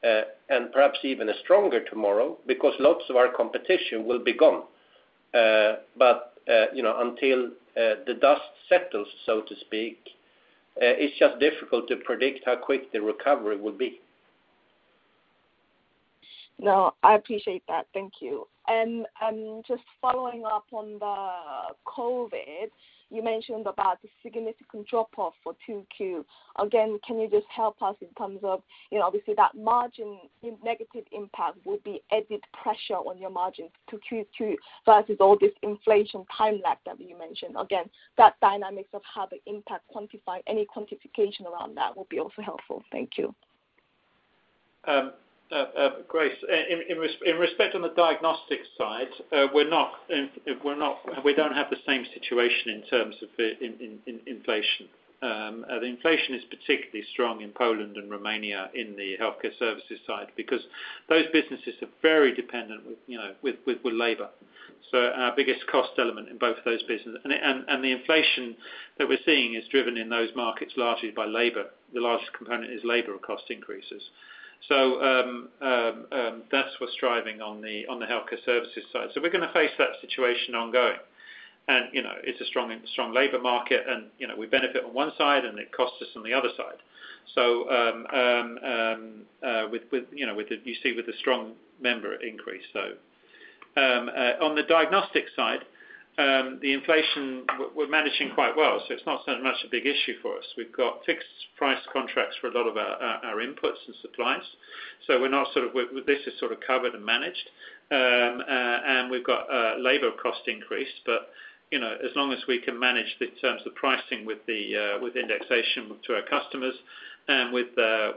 Perhaps even a stronger tomorrow because lots of our competition will be gone. You know, until the dust settles, so to speak, it's just difficult to predict how quick the recovery will be. No, I appreciate that. Thank you. Just following up on the COVID, you mentioned about the significant drop-off in 2Q. Again, can you just help us in terms of, you know, obviously that margin, negative impact will be added pressure on your margins in Q2 versus all this inflation time lag that you mentioned. Again, the dynamics of how to quantify the impact, any quantification around that will also be helpful. Thank you. Grace, in respect on the diagnostics side, we don't have the same situation in terms of the inflation. The inflation is particularly strong in Poland and Romania in the healthcare services side because those businesses are very dependent with, you know, labor. Our biggest cost element in both of those business. The inflation that we're seeing is driven in those markets largely by labor. The largest component is labor cost increases. That's what's driving on the healthcare services side. We're gonna face that situation ongoing. You know, it's a strong labor market and, you know, we benefit on one side, and it costs us on the other side. You know, with the strong member increase on the diagnostics side, the inflation we're managing quite well, so it's not so much a big issue for us. We've got fixed price contracts for a lot of our inputs and supplies. With this, it's sort of covered and managed. We've got a labor cost increase, but you know, as long as we can manage the terms, the pricing with indexation to our customers and with the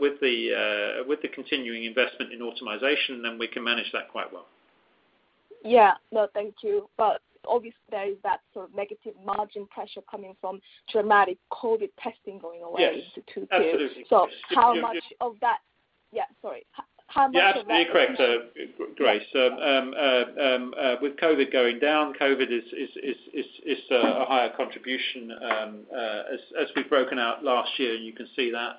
continuing investment in automation, then we can manage that quite well. Yeah. No, thank you. Obviously there is that sort of negative margin pressure coming from dramatic COVID testing going away. Yes. To two tiers. Absolutely. How much of that- You're absolutely correct, Grace. With COVID going down, COVID is a higher contribution, as we've broken out last year, you can see that,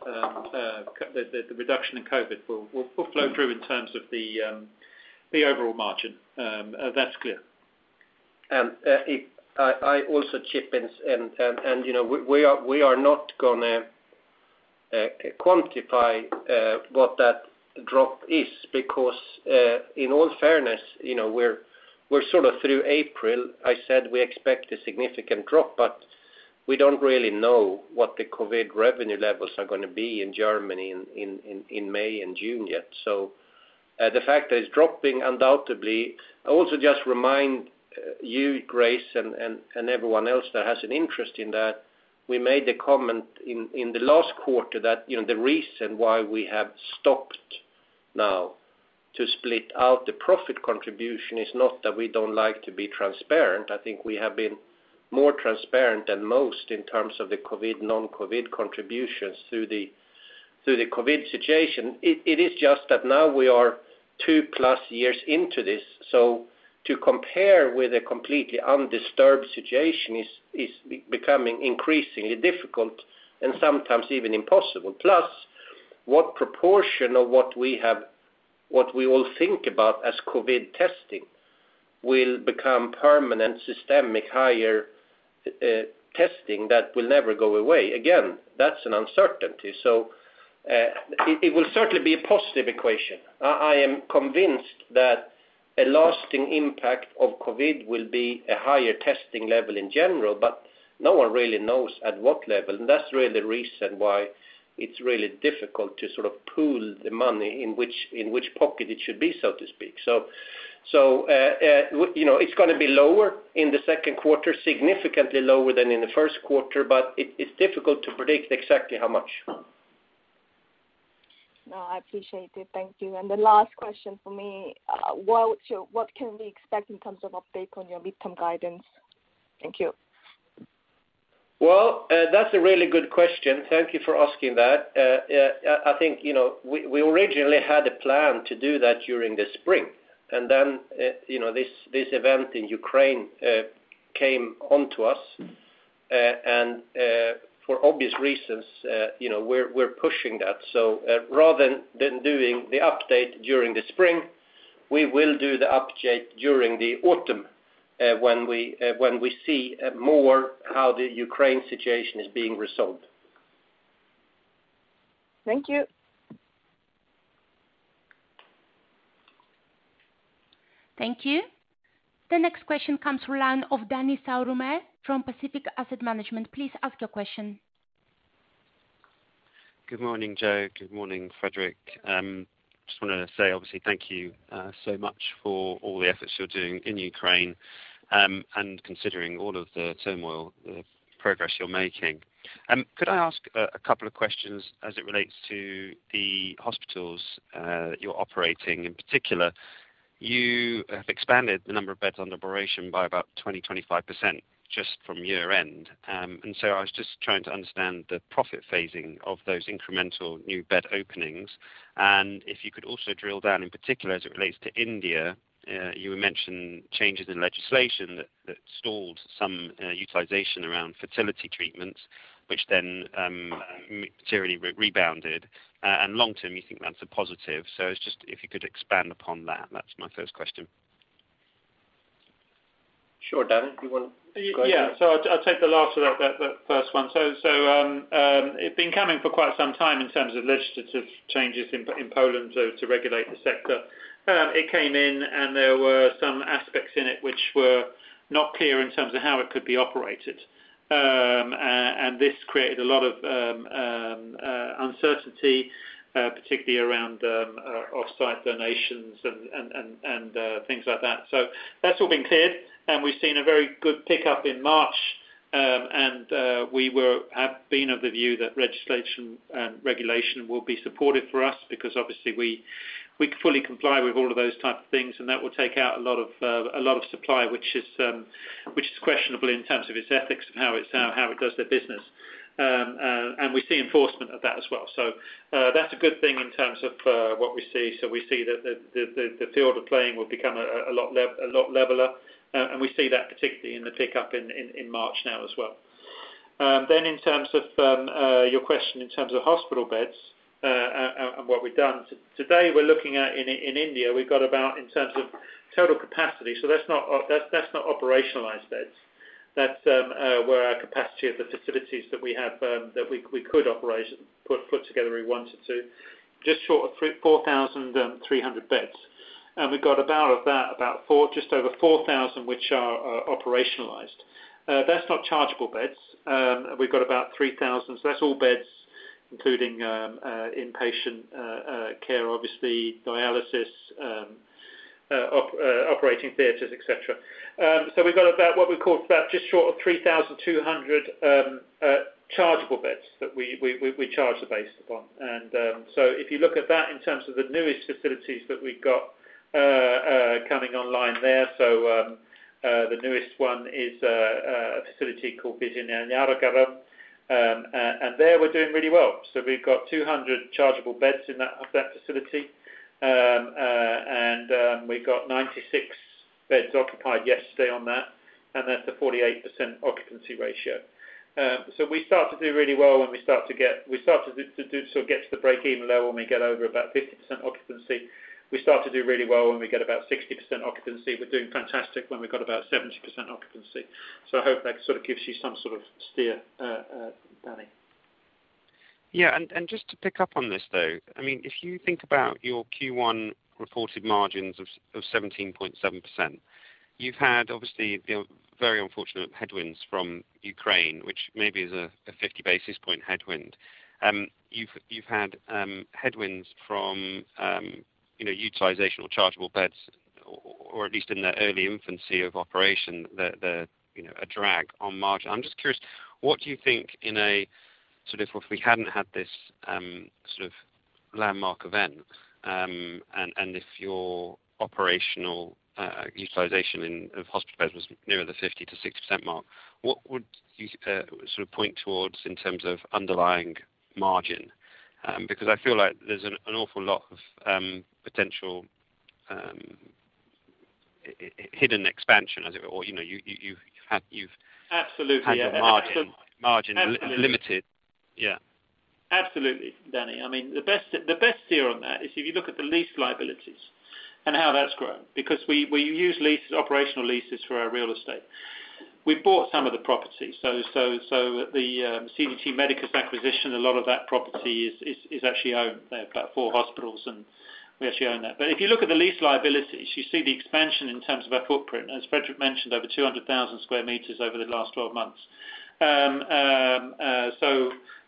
the reduction in COVID will flow through in terms of the overall margin. That's clear. If I also chip in, you know, we are not gonna quantify what that drop is because, in all fairness, you know, we're sort of through April. I said we expect a significant drop, but we don't really know what the COVID revenue levels are gonna be in Germany in May and June yet. The fact that it's dropping undoubtedly. I also just remind you, Grace, and everyone else that has an interest in that, we made a comment in the last quarter that, you know, the reason why we have stopped now to split out the profit contribution is not that we don't like to be transparent. I think we have been more transparent than most in terms of the COVID, non-COVID contributions through the COVID situation. It is just that now we are two plus years into this. To compare with a completely undisturbed situation is becoming increasingly difficult and sometimes even impossible. Plus, what proportion of what we have, what we all think about as COVID testing will become permanent, systemic, higher testing that will never go away. Again, that's an uncertainty. It will certainly be a positive equation. I am convinced that a lasting impact of COVID will be a higher testing level in general, but no one really knows at what level. That's really the reason why it's really difficult to sort of put the money in which pocket it should be, so to speak. You know, it's gonna be lower in the second quarter, significantly lower than in the first quarter, but it's difficult to predict exactly how much. No, I appreciate it. Thank you. The last question for me, what can we expect in terms of update on your midterm guidance? Thank you. Well, that's a really good question. Thank you for asking that. I think, you know, we originally had a plan to do that during the spring. You know, this event in Ukraine came onto us. For obvious reasons, you know, we're pushing that. Rather than doing the update during the spring, we will do the update during the autumn, when we see more how the Ukraine situation is being resolved. Thank you. Thank you. The next question comes from line of Dani Saurymper from Pacific Asset Management. Please ask your question. Good morning, Joe. Good morning, Fredrik. Just wanna say, obviously, thank you so much for all the efforts you're doing in Ukraine, and considering all of the turmoil, the progress you're making. Could I ask a couple of questions as it relates to the hospitals that you're operating? In particular, you have expanded the number of beds under operation by about 20%, 25% just from year-end. I was just trying to understand the profit phasing of those incremental new bed openings. If you could also drill down, in particular, as it relates to India, you had mentioned changes in legislation that stalled some utilization around fertility treatments, which then materially rebounded. Long term, you think that's a positive. It's just if you could expand upon that. That's my first question. Sure, Dani, you want to go ahead? Yeah. I'll take the last of that first one. It's been coming for quite some time in terms of legislative changes in Poland to regulate the sector. It came in, and there were some aspects in it which were not clear in terms of how it could be operated. This created a lot of uncertainty, particularly around offsite donations and things like that. That's all been cleared, and we've seen a very good pickup in March. We have been of the view that legislation and regulation will be supportive for us because obviously we fully comply with all of those type of things, and that will take out a lot of supply, which is questionable in terms of its ethics and how it does their business. We see enforcement of that as well. That's a good thing in terms of what we see. We see that the playing field will become a lot leveler. We see that particularly in the pickup in March now as well. In terms of your question in terms of hospital beds and what we've done. Today, we're looking at in India. We've got about, in terms of total capacity. That's not operationalized beds. That's where our capacity of the facilities that we have, that we could put together if we wanted to. Just short of 4,300 beds. We've got about of that, just over 4,000, which are operationalized. That's not chargeable beds. We've got about 3,000. That's all beds including inpatient care, obviously dialysis, operating theaters, et cetera. We've got about what we call just short of 3,200 chargeable beds that we charge based upon. If you look at that in terms of the newest facilities that we've got coming online there, the newest one is a facility called Vizianagaram. There we're doing really well. We've got 200 chargeable beds in that facility. We've got 96 beds occupied yesterday on that, and that's a 48% occupancy ratio. We start to do really well when we get to the break-even level when we get over about 50% occupancy. We start to do really well when we get about 60% occupancy. We're doing fantastic when we've got about 70% occupancy. I hope that sort of gives you some sort of steer, Dani. Yeah. Just to pick up on this though, I mean, if you think about your Q1 reported margins of 17.7%, you've had obviously, you know, very unfortunate headwinds from Ukraine, which maybe is a 50 basis point headwind. You've had headwinds from, you know, utilization chargeable beds, or at least in the early infancy of operation, you know, a drag on margin. I'm just curious, what do you think in a sort of if we hadn't had this sort of landmark event, and if your operational utilization of hospital beds was nearer the 50%-60% mark, what would you sort of point towards in terms of underlying margin? Because I feel like there's an awful lot of potential hidden expansion as it were or, you know, you've had. Absolutely. Had your margin limited. Absolutely. Yeah. Absolutely, Dani. I mean, the best steer on that is if you look at the lease liabilities and how that's grown, because we use leases, operational leases for our real estate. We bought some of the properties. The CDT Medicus acquisition, a lot of that property is actually owned. They have about four hospitals, and we actually own that. If you look at the lease liabilities, you see the expansion in terms of our footprint. As Fredrik mentioned, over 200,000 sq m over the last 12 months.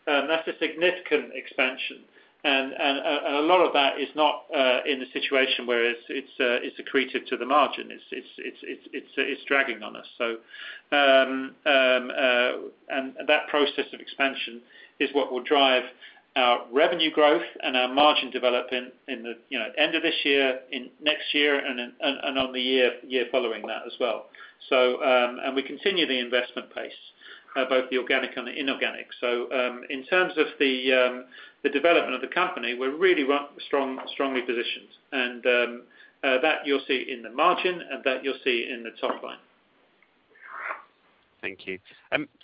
That's a significant expansion. A lot of that is not in the situation where it's accreted to the margin. It's dragging on us. That process of expansion is what will drive our revenue growth and our margin development in the, you know, end of this year, in next year, and then on the year following that as well. We continue the investment pace both the organic and the inorganic. In terms of the development of the company, we're really strongly positioned. That you'll see in the margin, and that you'll see in the top line. Thank you.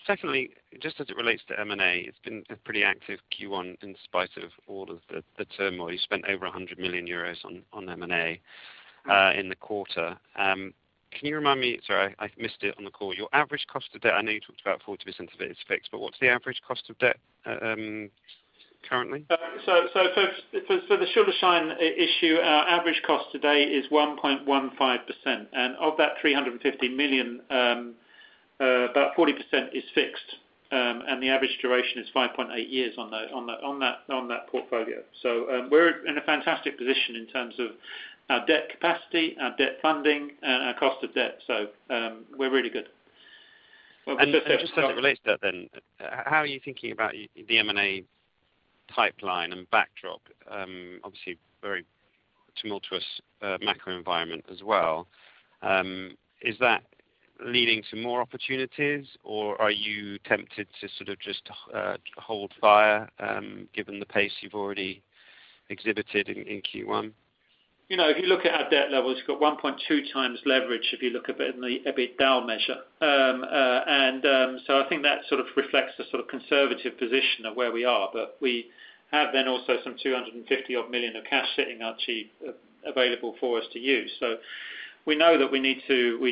Secondly, just as it relates to M&A, it's been a pretty active Q1 in spite of all of the turmoil. You spent over 100 million euros on M&A in the quarter. Can you remind me? Sorry, I missed it on the call. Your average cost of debt, I know you talked about 40% of it is fixed, but what's the average cost of debt currently? For the Schuldschein issue, our average cost to date is 1.15%. Of that 350 million, about 40% is fixed. The average duration is 5.8 years on that portfolio. We're in a fantastic position in terms of our debt capacity, our debt funding, and our cost of debt. We're really good. Just as it relates to that then, how are you thinking about the M&A pipeline and backdrop? Obviously very tumultuous, macro environment as well. Is that leading to more opportunities, or are you tempted to sort of just, hold fire, given the pace you've already exhibited in Q1? You know, if you look at our debt levels, you've got 1.2x leverage if you look a bit in the EBITDA measure. I think that sort of reflects the sort of conservative position of where we are. We have then also some 250-odd million of cash sitting actually available for us to use. We know that we need to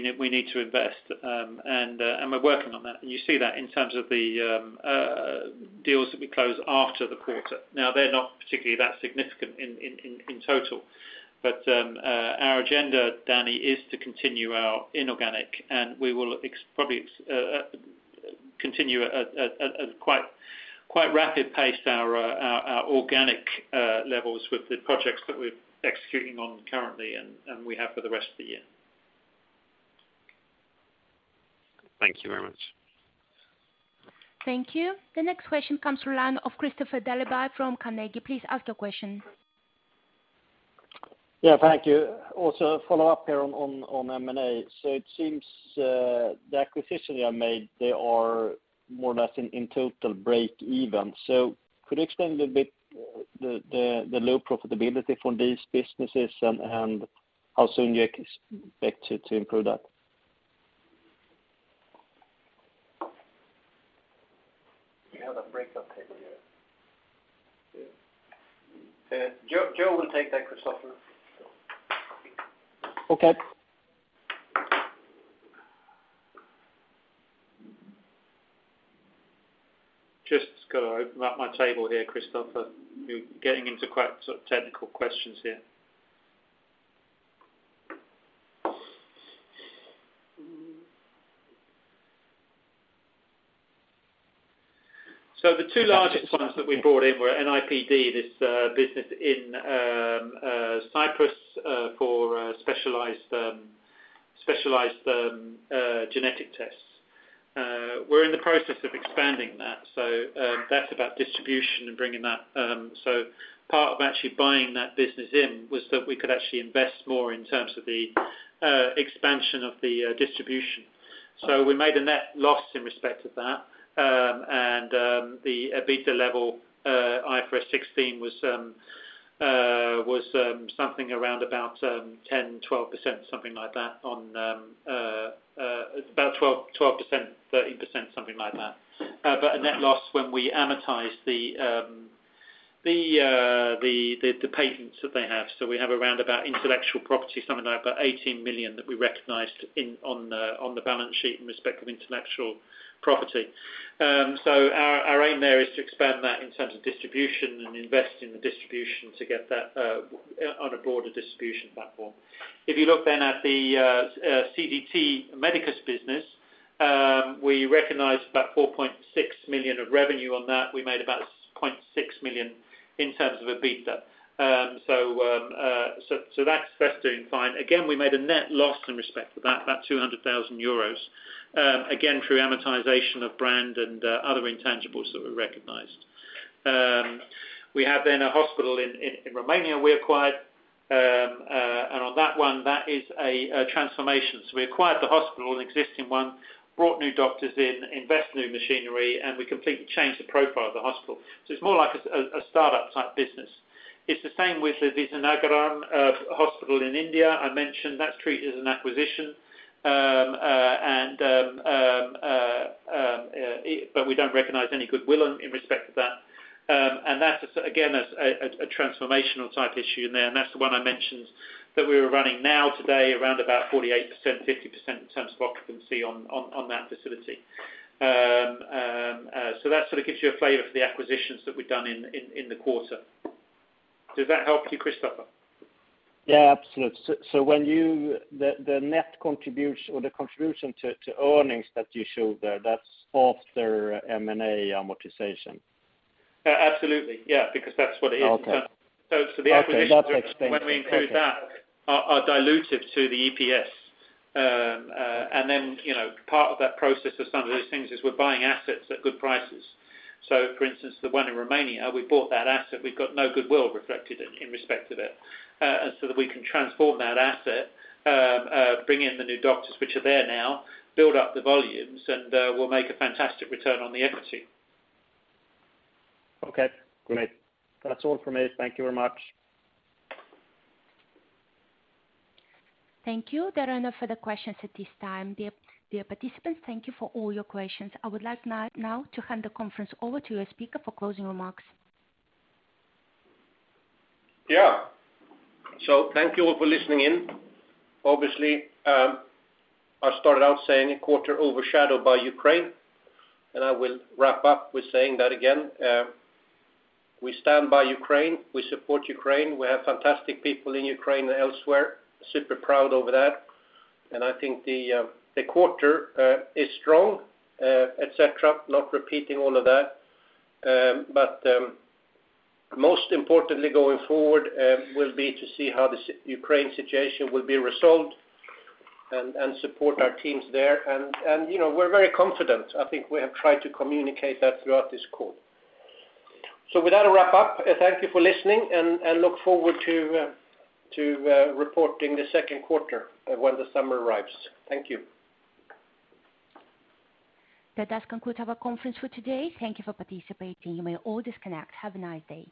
invest, and we're working on that. You see that in terms of the deals that we close after the quarter. They're not particularly that significant in total. Our agenda, Dani, is to continue our inorganic, and we will probably continue at quite rapid pace our organic levels with the projects that we're executing on currently and we have for the rest of the year. Thank you very much. Thank you. The next question comes from the line of Kristofer Liljeberg from Carnegie. Please ask your question. Yeah, thank you. Also a follow-up here on M&A. It seems the acquisition you have made, they are more or less in total break even. Could you explain a little bit the low profitability from these businesses and how soon do you expect it to improve that? We have a breakdown table here. Joe will take that, Kristofer. Okay. Just gotta open up my table here, Kristofer. We're getting into quite sort of technical questions here. The two largest ones that we brought in were NIPD, this business in Cyprus for specialized genetic tests. We're in the process of expanding that, so that's about distribution and bringing that. Part of actually buying that business in was that we could actually invest more in terms of the expansion of the distribution. We made a net loss in respect of that. The EBITDA level, IFRS 16 was something around about 10%-12%, something like that. About 12%, 13%, something like that. A net loss when we amortize the patents that they have. We have something like 18 million that we recognized on the balance sheet in respect of intellectual property. Our aim there is to expand that in terms of distribution and invest in the distribution to get that on a broader distribution platform. If you look at the CDT Medicus business, we recognized about 4.6 million of revenue on that. We made about 0.6 million in terms of EBITDA. That's doing fine. We made a net loss in respect to that, about 200,000 euros, again, through amortization of brand and other intangibles that were recognized. We have a hospital in Romania we acquired. On that one, that is a transformation. We acquired the hospital, an existing one, brought new doctors in, invest new machinery, and we completely changed the profile of the hospital. It's more like a sort of a startup type business. It's the same with the Vizianagaram Hospital in India. I mentioned that's treated as an acquisition. We don't recognize any goodwill in respect of that. That's again a transformational type issue in there, and that's the one I mentioned that we are running now today around 48%-50% in terms of occupancy on that facility. That sort of gives you a flavor for the acquisitions that we've done in the quarter. Does that help you, Kristofer? Yeah, absolutely. The net contribution to earnings that you showed there, that's after M&A amortization? Absolutely. Yeah, because that's what it is. Okay. The acquisitions. Okay, that explains it. Okay. When we include those that are dilutive to the EPS. You know, part of that process of some of these things is we're buying assets at good prices. For instance, the one in Romania, we bought that asset. We've got no goodwill reflected in respect of it, that we can transform that asset, bring in the new doctors, which are there now, build up the volumes, and we'll make a fantastic return on the equity. Okay, great. That's all from me. Thank you very much. Thank you. There are no further questions at this time. Dear participants, thank you for all your questions. I would like now to hand the conference over to your speaker for closing remarks. Yeah. Thank you all for listening in. Obviously, I started out saying a quarter overshadowed by Ukraine, and I will wrap up with saying that again. We stand by Ukraine. We support Ukraine. We have fantastic people in Ukraine and elsewhere. Super proud over that. I think the quarter is strong, et cetera. Not repeating all of that. Most importantly going forward, will be to see how the Ukraine situation will be resolved and support our teams there. You know, we're very confident. I think we have tried to communicate that throughout this call. With that, I wrap up. Thank you for listening and look forward to reporting the second quarter when the summer arrives. Thank you. That does conclude our conference for today. Thank you for participating. You may all disconnect. Have a nice day.